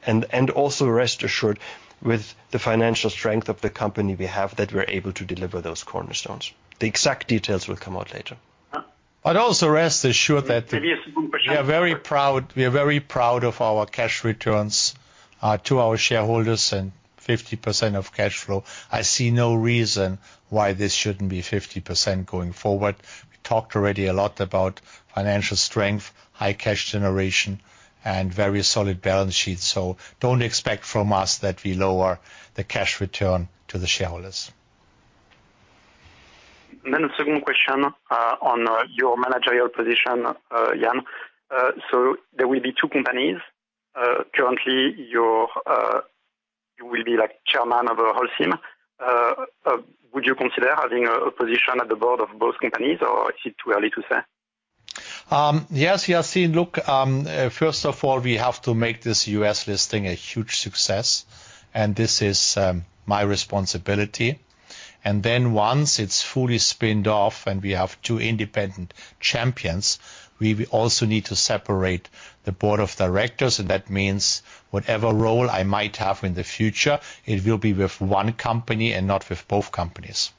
Also, rest assured, with the financial strength of the company we have, that we're able to deliver those cornerstones. The exact details will come out later. But also rest assured that- Previous percent- We are very proud, we are very proud of our cash returns to our shareholders and 50% of cash flow. I see no reason why this shouldn't be 50% going forward. We talked already a lot about financial strength, high cash generation, and very solid balance sheet. So don't expect from us that we lower the cash return to the shareholders. Then the second question on your managerial position, Jan. So there will be two companies. Currently, you will be, like, chairman of Holcim. Would you consider having a position at the board of both companies, or is it too early to say? Yes, Yassine. Look, first of all, we have to make this U.S. listing a huge success, and this is my responsibility. And then once it's fully spun off and we have two independent champions, we will also need to separate the board of directors, and that means whatever role I might have in the future, it will be with one company and not with both companies.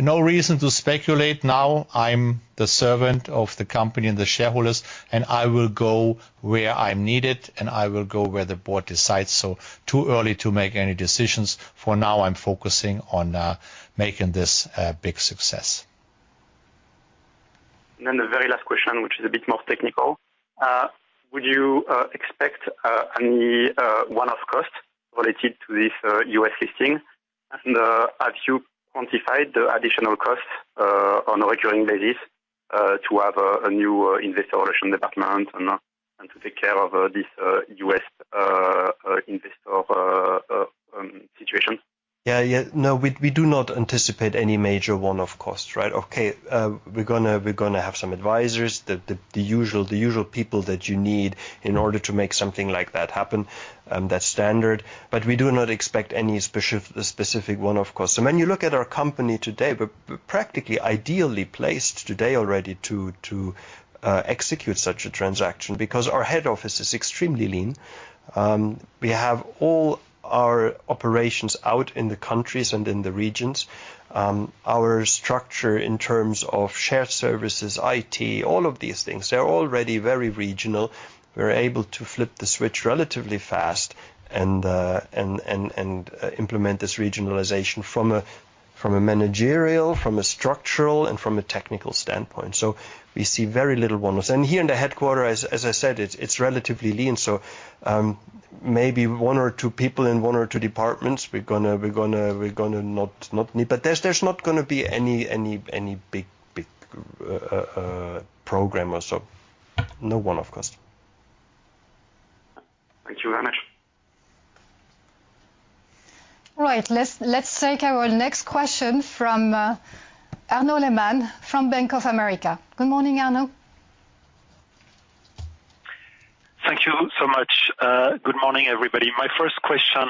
No reason to speculate now. I'm the servant of the company and the shareholders, and I will go where I'm needed, and I will go where the board decides. So, too early to make any decisions. For now, I'm focusing on making this a big success. And then the very last question, which is a bit more technical. Would you expect any one-off costs related to this US listing? And have you quantified the additional costs on a recurring basis to have a new Investor Relations department and to take care of this U.S. investor situation? Yeah, yeah. No, we do not anticipate any major one-off costs, right? Okay, we're gonna have some advisors, the usual people that you need in order to make something like that happen. That's standard, but we do not expect any specific one-off costs. So when you look at our company today, we're practically ideally placed today already to execute such a transaction, because our head office is extremely lean. We have all our operations out in the countries and in the regions. Our structure in terms of shared services, IT, all of these things, they're already very regional. We're able to flip the switch relatively fast and implement this regionalization from a managerial, structural, and technical standpoint. So we see very little one-offs. Here in the headquarters, as I said, it's relatively lean. So, maybe one or two people in one or two departments, we're gonna not need. But there's not gonna be any big program or so. No one-off costs. Thank you very much. All right, let's, let's take our next question from Arnaud Lehmann from Bank of America. Good morning, Arnaud. Thank you so much. Good morning, everybody. My first question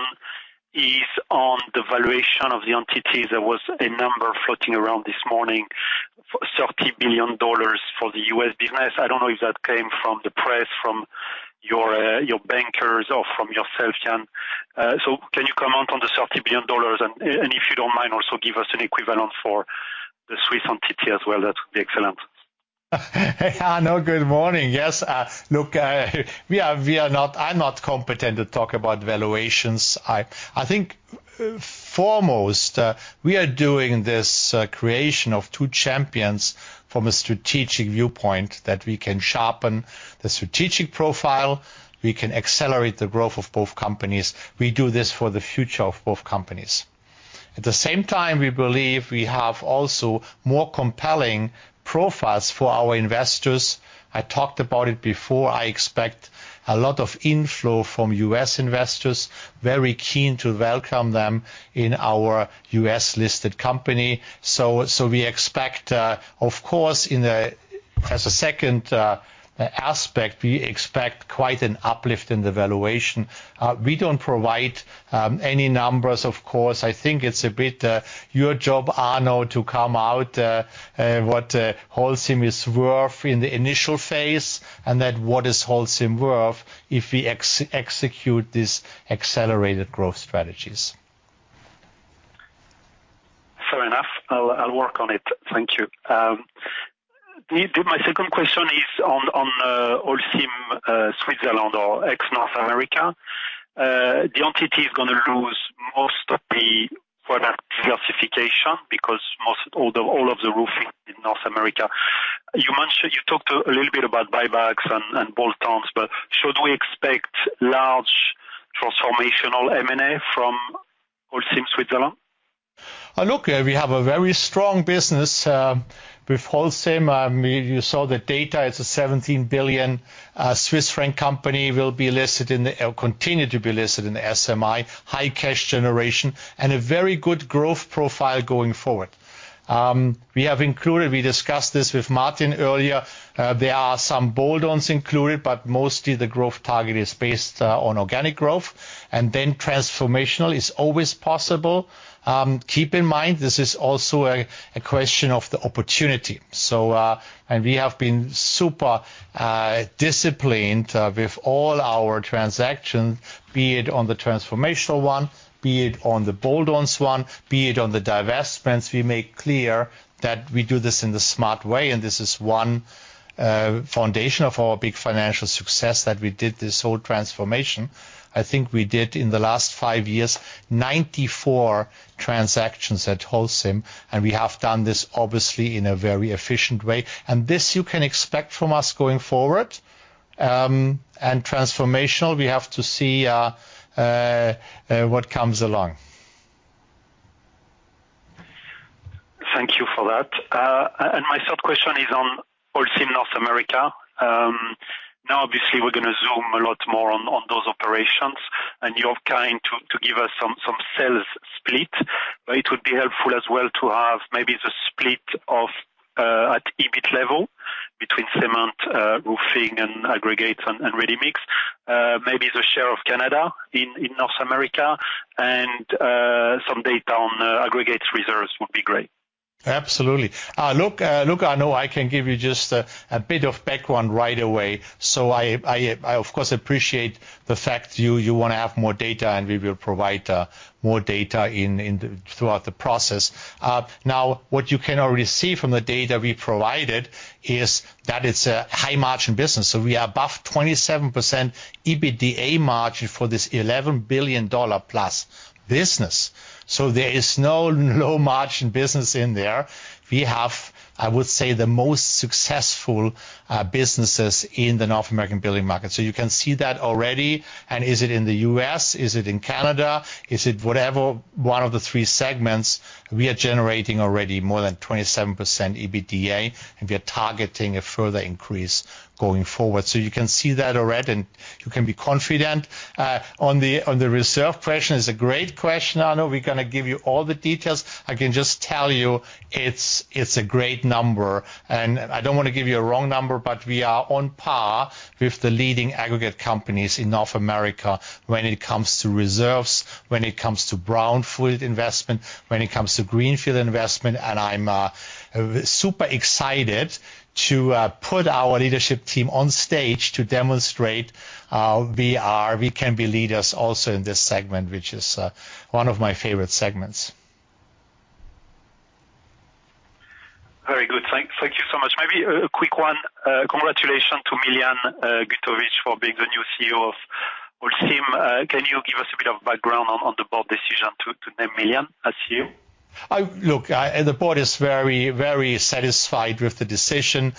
is on the valuation of the entities. There was a number floating around this morning, $30 billion for the U.S. business. I don't know if that came from the press, from your bankers or from yourself, Jan. So can you comment on the $30 billion? And if you don't mind, also give us an equivalent for the Swiss entity as well. That would be excellent. Hey, Arnaud, good morning. Yes, look, we are not—I'm not competent to talk about valuations. I think, foremost, we are doing this creation of two champions from a strategic viewpoint, that we can sharpen the strategic profile, we can accelerate the growth of both companies. We do this for the future of both companies. At the same time, we believe we have also more compelling profiles for our investors. I talked about it before. I expect a lot of inflow from U.S. investors, very keen to welcome them in our U.S.-listed company. So we expect, of course, as a second aspect, we expect quite an uplift in the valuation. We don't provide any numbers, of course. I think it's a bit your job, Arnaud, to come out what Holcim is worth in the initial phase, and then what is Holcim worth if we execute these accelerated growth strategies. Fair enough. I'll, I'll work on it. Thank you. My second question is on Holcim Switzerland, or ex-North America. The entity is going to lose most of the product diversification, because all of the Roofing in North America. You mentioned, you talked a little bit about buybacks and bolt-ons, but should we expect large transformational M&A from Holcim Switzerland? Look, we have a very strong business with Holcim. You saw the data. It's a 17 billion Swiss franc company, will be listed in the, or continue to be listed in the SMI, high cash generation, and a very good growth profile going forward. We have included, we discussed this with Martin earlier, there are some bolt-ons included, but mostly the growth target is based on organic growth, and then transformational is always possible. Keep in mind, this is also a question of the opportunity. So, and we have been super disciplined with all our transactions, be it on the transformational one, be it on the bolt-ons one, be it on the divestments. We make clear that we do this in the smart way, and this is one foundation of our big financial success, that we did this whole transformation. I think we did, in the last five years, 94 transactions at Holcim, and we have done this, obviously, in a very efficient way. And this you can expect from us going forward. And transformational, we have to see what comes along. Thank you for that. My third question is on Holcim North America. Now, obviously, we're going to zoom a lot more on those operations, and you're trying to give us some sales split, but it would be helpful as well to have maybe the split of at EBIT level between Cement, Roofing and Aggregates and Ready-Mix. Maybe the share of Canada in North America, and some data on Aggregates reserves would be great. Absolutely. Look, I know I can give you just a bit of background right away. So I, of course, appreciate the fact you want to have more data, and we will provide more data throughout the process. Now, what you can already see from the data we provided is that it's a high-margin business. So we are above 27% EBITDA margin for this $11 billion+ business. So there is no low-margin business in there. We have, I would say, the most successful businesses in the North American building market. So you can see that already. And is it in the U.S.? Is it in Canada? Is it whatever one of the three segments? We are generating already more than 27% EBITDA, and we are targeting a further increase going forward. So you can see that already, and you can be confident. On the reserve question, it's a great question, Arnaud. We're going to give you all the details. I can just tell you, it's a great number, and I don't want to give you a wrong number, but we are on par with the leading aggregate companies in North America when it comes to reserves, when it comes to brownfield investment, when it comes to greenfield investment. And I'm super excited to put our leadership team on stage to demonstrate how we are, we can be leaders also in this segment, which is one of my favorite segments. Very good. Thank you so much. Maybe a quick one. Congratulations to Miljan Gutovic for being the new CEO of Holcim. Can you give us a bit of background on the board decision to name Miljan as CEO? Look, I, the board is very, very satisfied with the decision.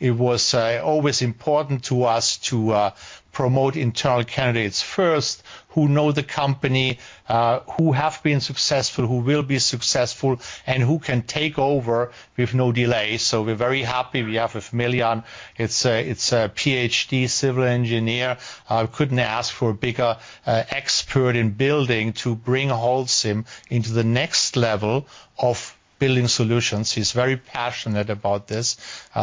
It was always important to us to promote internal candidates first, who know the company, who have been successful, who will be successful, and who can take over with no delay. So we're very happy we have Miljan. It's a, it's a PhD civil engineer. I couldn't ask for a bigger expert in building to bring Holcim into the next level of building solutions. He's very passionate about this.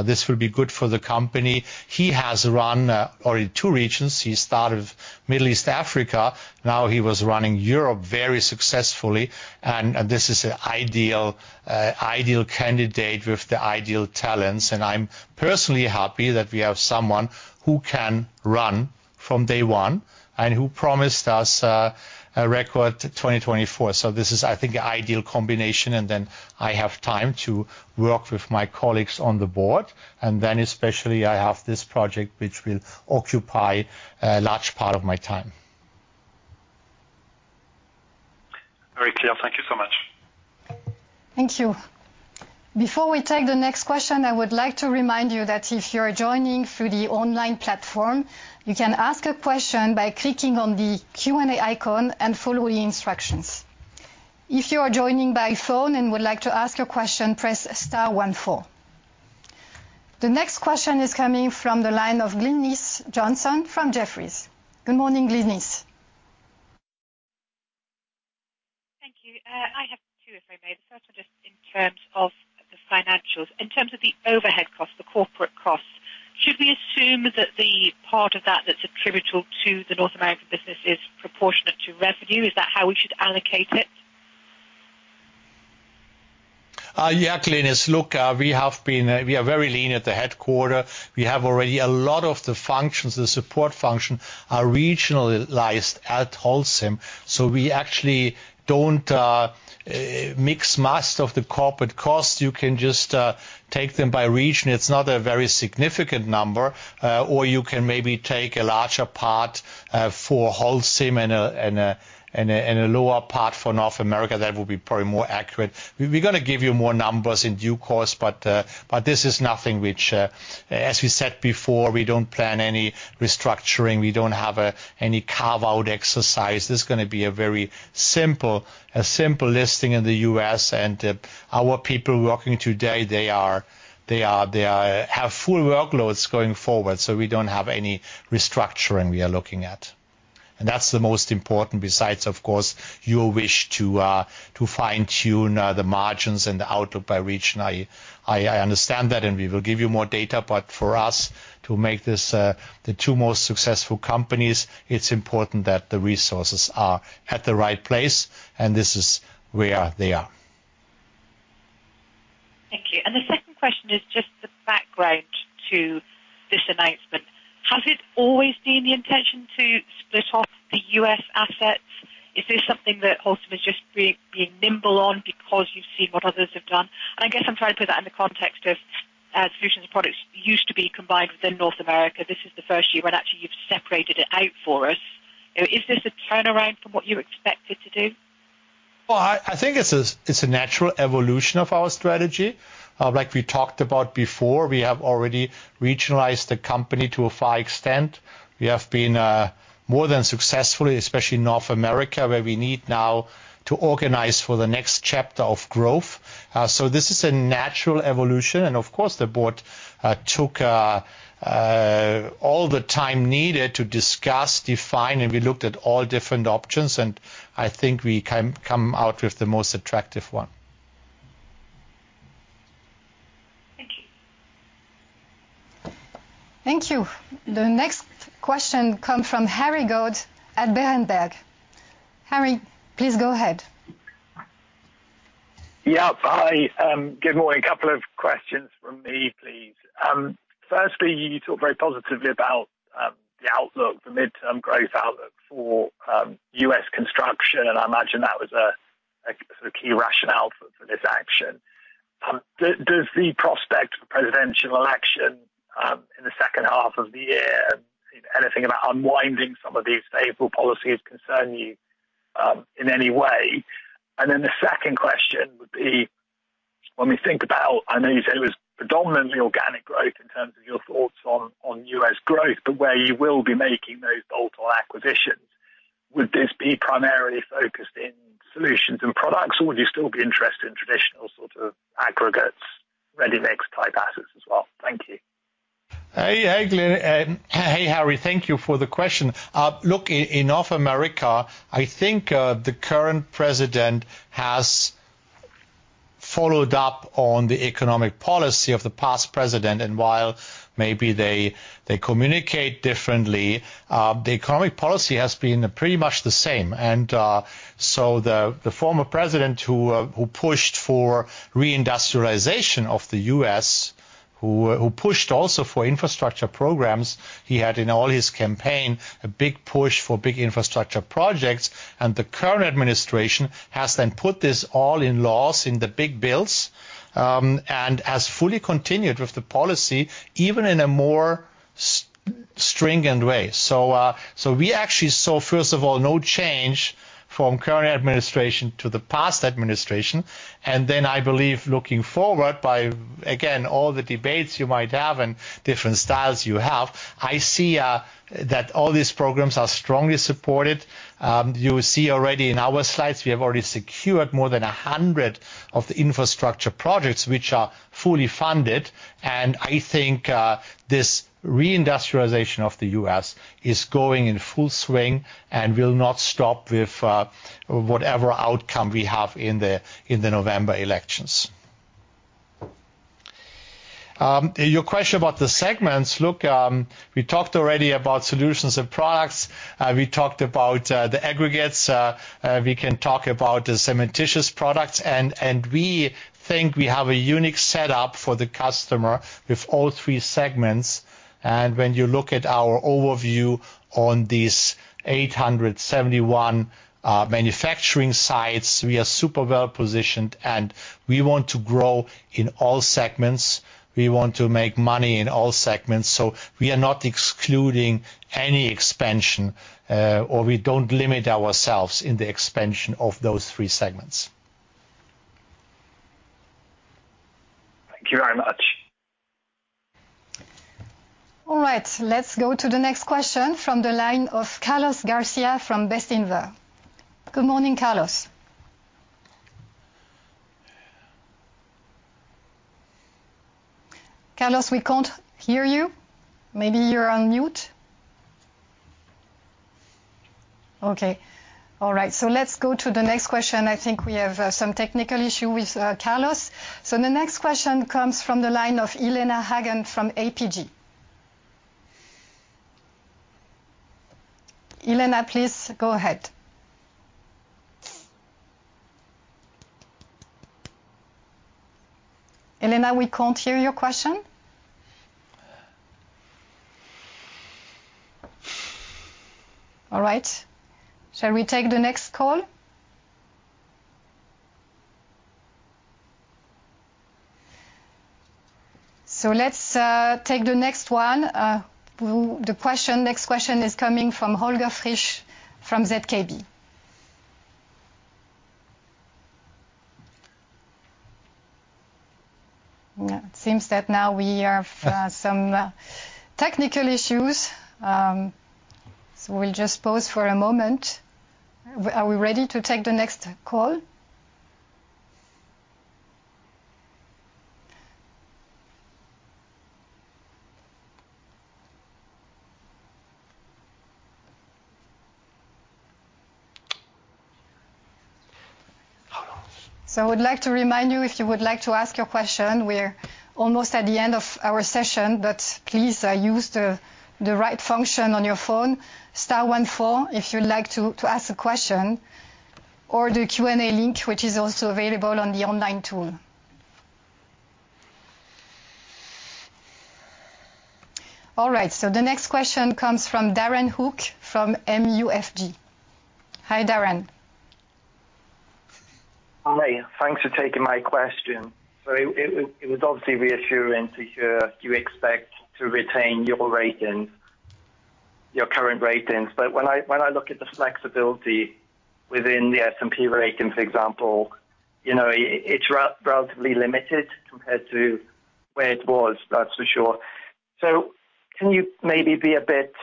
This will be good for the company. He has run already two regions. He started Middle East Africa, now he was running Europe very successfully, and this is an ideal ideal candidate with the ideal talents. And I'm personally happy that we have someone who can run from day one and who promised us a record 2024. This is, I think, an ideal combination, and then I have time to work with my colleagues on the board, and then especially I have this project which will occupy a large part of my time. Very clear. Thank you so much. Thank you. Before we take the next question, I would like to remind you that if you are joining through the online platform, you can ask a question by clicking on the Q&A icon and following the instructions. If you are joining by phone and would like to ask a question, press star one four. The next question is coming from the line of Glynis Johnson from Jefferies. Good morning, Glynis. Thank you. I have two, if I may. The first one just in terms of the financials. In terms of the overhead costs, the corporate costs, should we assume that the part of that that's attributable to the North American business is proportionate to revenue? Is that how we should allocate it? Yeah, Glynis. Look, we are very lean at the headquarters. We have already a lot of the functions, the support function, are regionalized at Holcim, so we actually don't amass the corporate costs. You can just take them by region. It's not a very significant number. Or you can maybe take a larger part for Holcim and a lower part for North America. That will be probably more accurate. We're gonna give you more numbers in due course, but this is nothing which... As we said before, we don't plan any restructuring. We don't have any carve-out exercise. This is gonna be a very simple listing in the U.S., and our people working today, they have full workloads going forward, so we don't have any restructuring we are looking at. That's the most important, besides, of course, your wish to fine-tune the margins and the outlook by region. I understand that, and we will give you more data, but for us to make this the two most successful companies, it's important that the resources are at the right place, and this is where they are. Thank you. And the second question is just the background to this announcement. Has it always been the intention to split off the U.S. assets? Is this something that Holcim is just being nimble on because you've seen what others have done? And I guess I'm trying to put that in the context of, as Solutions & Products used to be combined within North America. This is the first year when actually you've separated it out for us. Is this a turnaround from what you expected to do? Well, I think it's a natural evolution of our strategy. Like we talked about before, we have already regionalized the company to a far extent. We have been more than successful, especially in North America, where we need now to organize for the next chapter of growth. So this is a natural evolution, and of course, the board took all the time needed to discuss, define, and we looked at all different options, and I think we come out with the most attractive one. Thank you. Thank you. The next question come from Harry Goad at Berenberg. Harry, please go ahead. Yeah. Hi, good morning. A couple of questions from me, please. Firstly, you talked very positively about the outlook, the midterm growth outlook for US construction, and I imagine that was a key rationale for this action. Does the prospect of a presidential election in the second half of the year, anything about unwinding some of these favorable policies concern you in any way? And then the second question would be, when we think about, I know you said it was predominantly organic growth in terms of your thoughts on U.S. growth, but where you will be making those bold acquisitions, would this be primarily focused in Solutions & Products, or would you still be interested in traditional sorts of Aggregates, Ready-Mix type assets as well? Thank you. Hey, hey, Glen. Hey, Harry, thank you for the question. Look, in North America, I think the current president has followed up on the economic policy of the past president, and while maybe they, they communicate differently, the economic policy has been pretty much the same. And, so the former president, who pushed for reindustrialization of the U.S., who pushed also for infrastructure programs, he had in all his campaign a big push for big infrastructure projects, and the current administration has then put this all in laws in the big bills, and has fully continued with the policy, even in a more stringent way. So, so we actually saw, first of all, no change from current administration to the past administration. And then, I believe, looking forward by, again, all the debates you might have and different styles you have, I see that all these programs are strongly supported. You see already in our slides, we have already secured more than 100 of the infrastructure projects, which are fully funded, and I think this reindustrialization of the U.S. is going in full swing and will not stop with whatever outcome we have in the November elections. Your question about the segments, look, we talked already about Solutions & Products. We talked about the Aggregates. We can talk about the Cementitious products, and we think we have a unique setup for the customer with all three segments. When you look at our overview on these 871 manufacturing sites, we are super well positioned, and we want to grow in all segments. We want to make money in all segments, so we are not excluding any expansion, or we don't limit ourselves in the expansion of those three segments. Thank you very much. All right. Let's go to the next question from the line of Carlos Garcia from Bestinver. Good morning, Carlos. Carlos, we can't hear you. Maybe you're on mute. Okay. All right, so let's go to the next question. I think we have some technical issue with Carlos. So the next question comes from the line of Ileana Hagen from APG. Elena, please go ahead. Elena, we can't hear your question. All right, shall we take the next call? So let's take the next one. The next question is coming from Holger Frisch from ZKB. Yeah. It seems that now we have some technical issues, so we'll just pause for a moment. Are we ready to take the next call? So I would like to remind you, if you would like to ask your question, we're almost at the end of our session, but please, use the right function on your phone, star one four, if you'd like to ask a question, or the Q&A link, which is also available on the online tool. All right, so the next question comes from Darren Hook from MUFG. Hi, Darren. Hi. Thanks for taking my question. So it was obviously reassuring to hear you expect to retain your ratings, your current ratings. But when I look at the flexibility within the S&P ratings, for example, you know, it's relatively limited compared to where it was, that's for sure. So can you maybe be a bit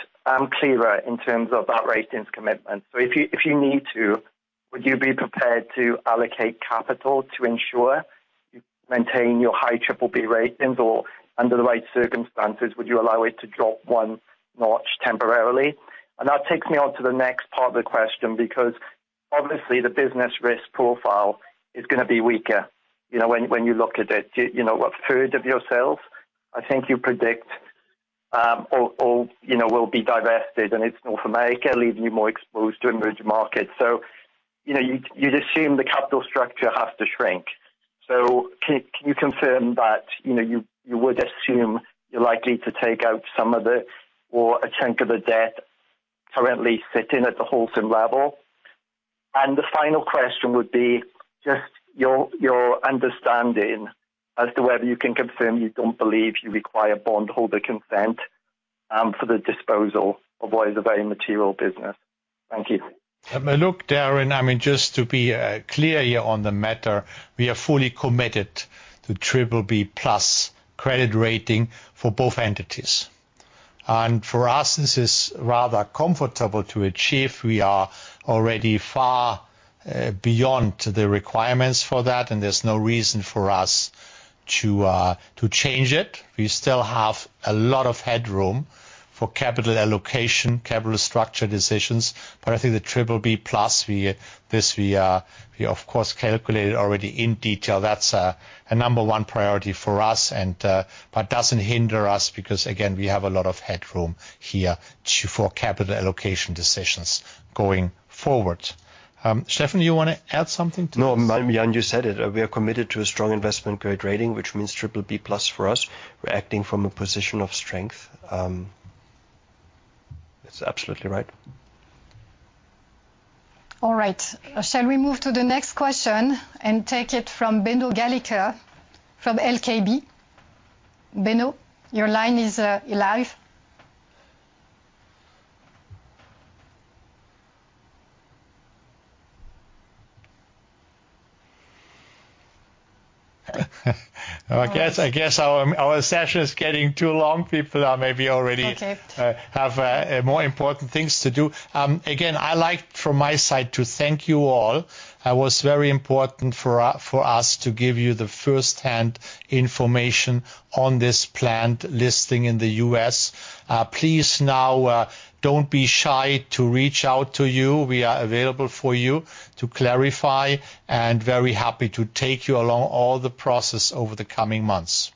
clearer in terms of that ratings commitment? So if you need to, would you be prepared to allocate capital to ensure you maintain your high BBB ratings, or under the right circumstances, would you allow it to drop one notch temporarily? And that takes me on to the next part of the question, because obviously, the business risk profile is gonna be weaker, you know, when you look at it. You know, 1/3 of your sales, I think you predict or you know will be divested, and it's North America, leaving you more exposed to emerging markets. So, you know, you'd assume the capital structure has to shrink. So can you confirm that, you know, you would assume you're likely to take out some of the or a chunk of the debt currently sitting at the Holcim level? And the final question would be just your understanding as to whether you can confirm you don't believe you require bondholder consent for the disposal of what is a very material business. Thank you. Look, Darren, I mean, just to be clear here on the matter, we are fully committed to BBB+ credit rating for both entities. And for us, this is rather comfortable to achieve. We are already far beyond the requirements for that, and there's no reason for us to change it. We still have a lot of headroom for capital allocation, capital structure decisions. But I think the BBB+, we of course calculated already in detail. That's a number one priority for us and, but doesn't hinder us because, again, we have a lot of headroom here to... for capital allocation decisions going forward. Steffen, do you wanna add something to this? No, Jan, you said it. We are committed to a strong investment grade rating, which means BBB+ for us. We're acting from a position of strength. It's absolutely right. All right. Shall we move to the next question and take it from Bendo Gallica from LKB? Bendo, your line is live. I guess our session is getting too long. People are maybe already- Okay Have more important things to do. Again, I like, from my side, to thank you all. It was very important for us to give you the first-hand information on this planned listing in the U.S. Please now, don't be shy to reach out to you. We are available for you to clarify and very happy to take you along all the process over the coming months.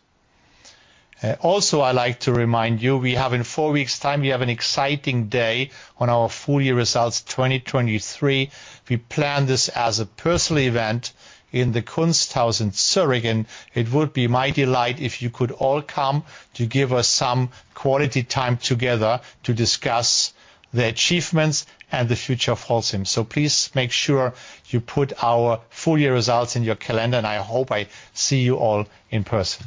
Also, I like to remind you, we have in four weeks' time, we have an exciting day on our full year results, 2023. We plan this as a personal event in the Kunsthaus in Zurich, and it would be my delight if you could all come to give us some quality time together to discuss the achievements and the future of Holcim. Please make sure you put our full year results in your calendar, and I hope I see you all in person.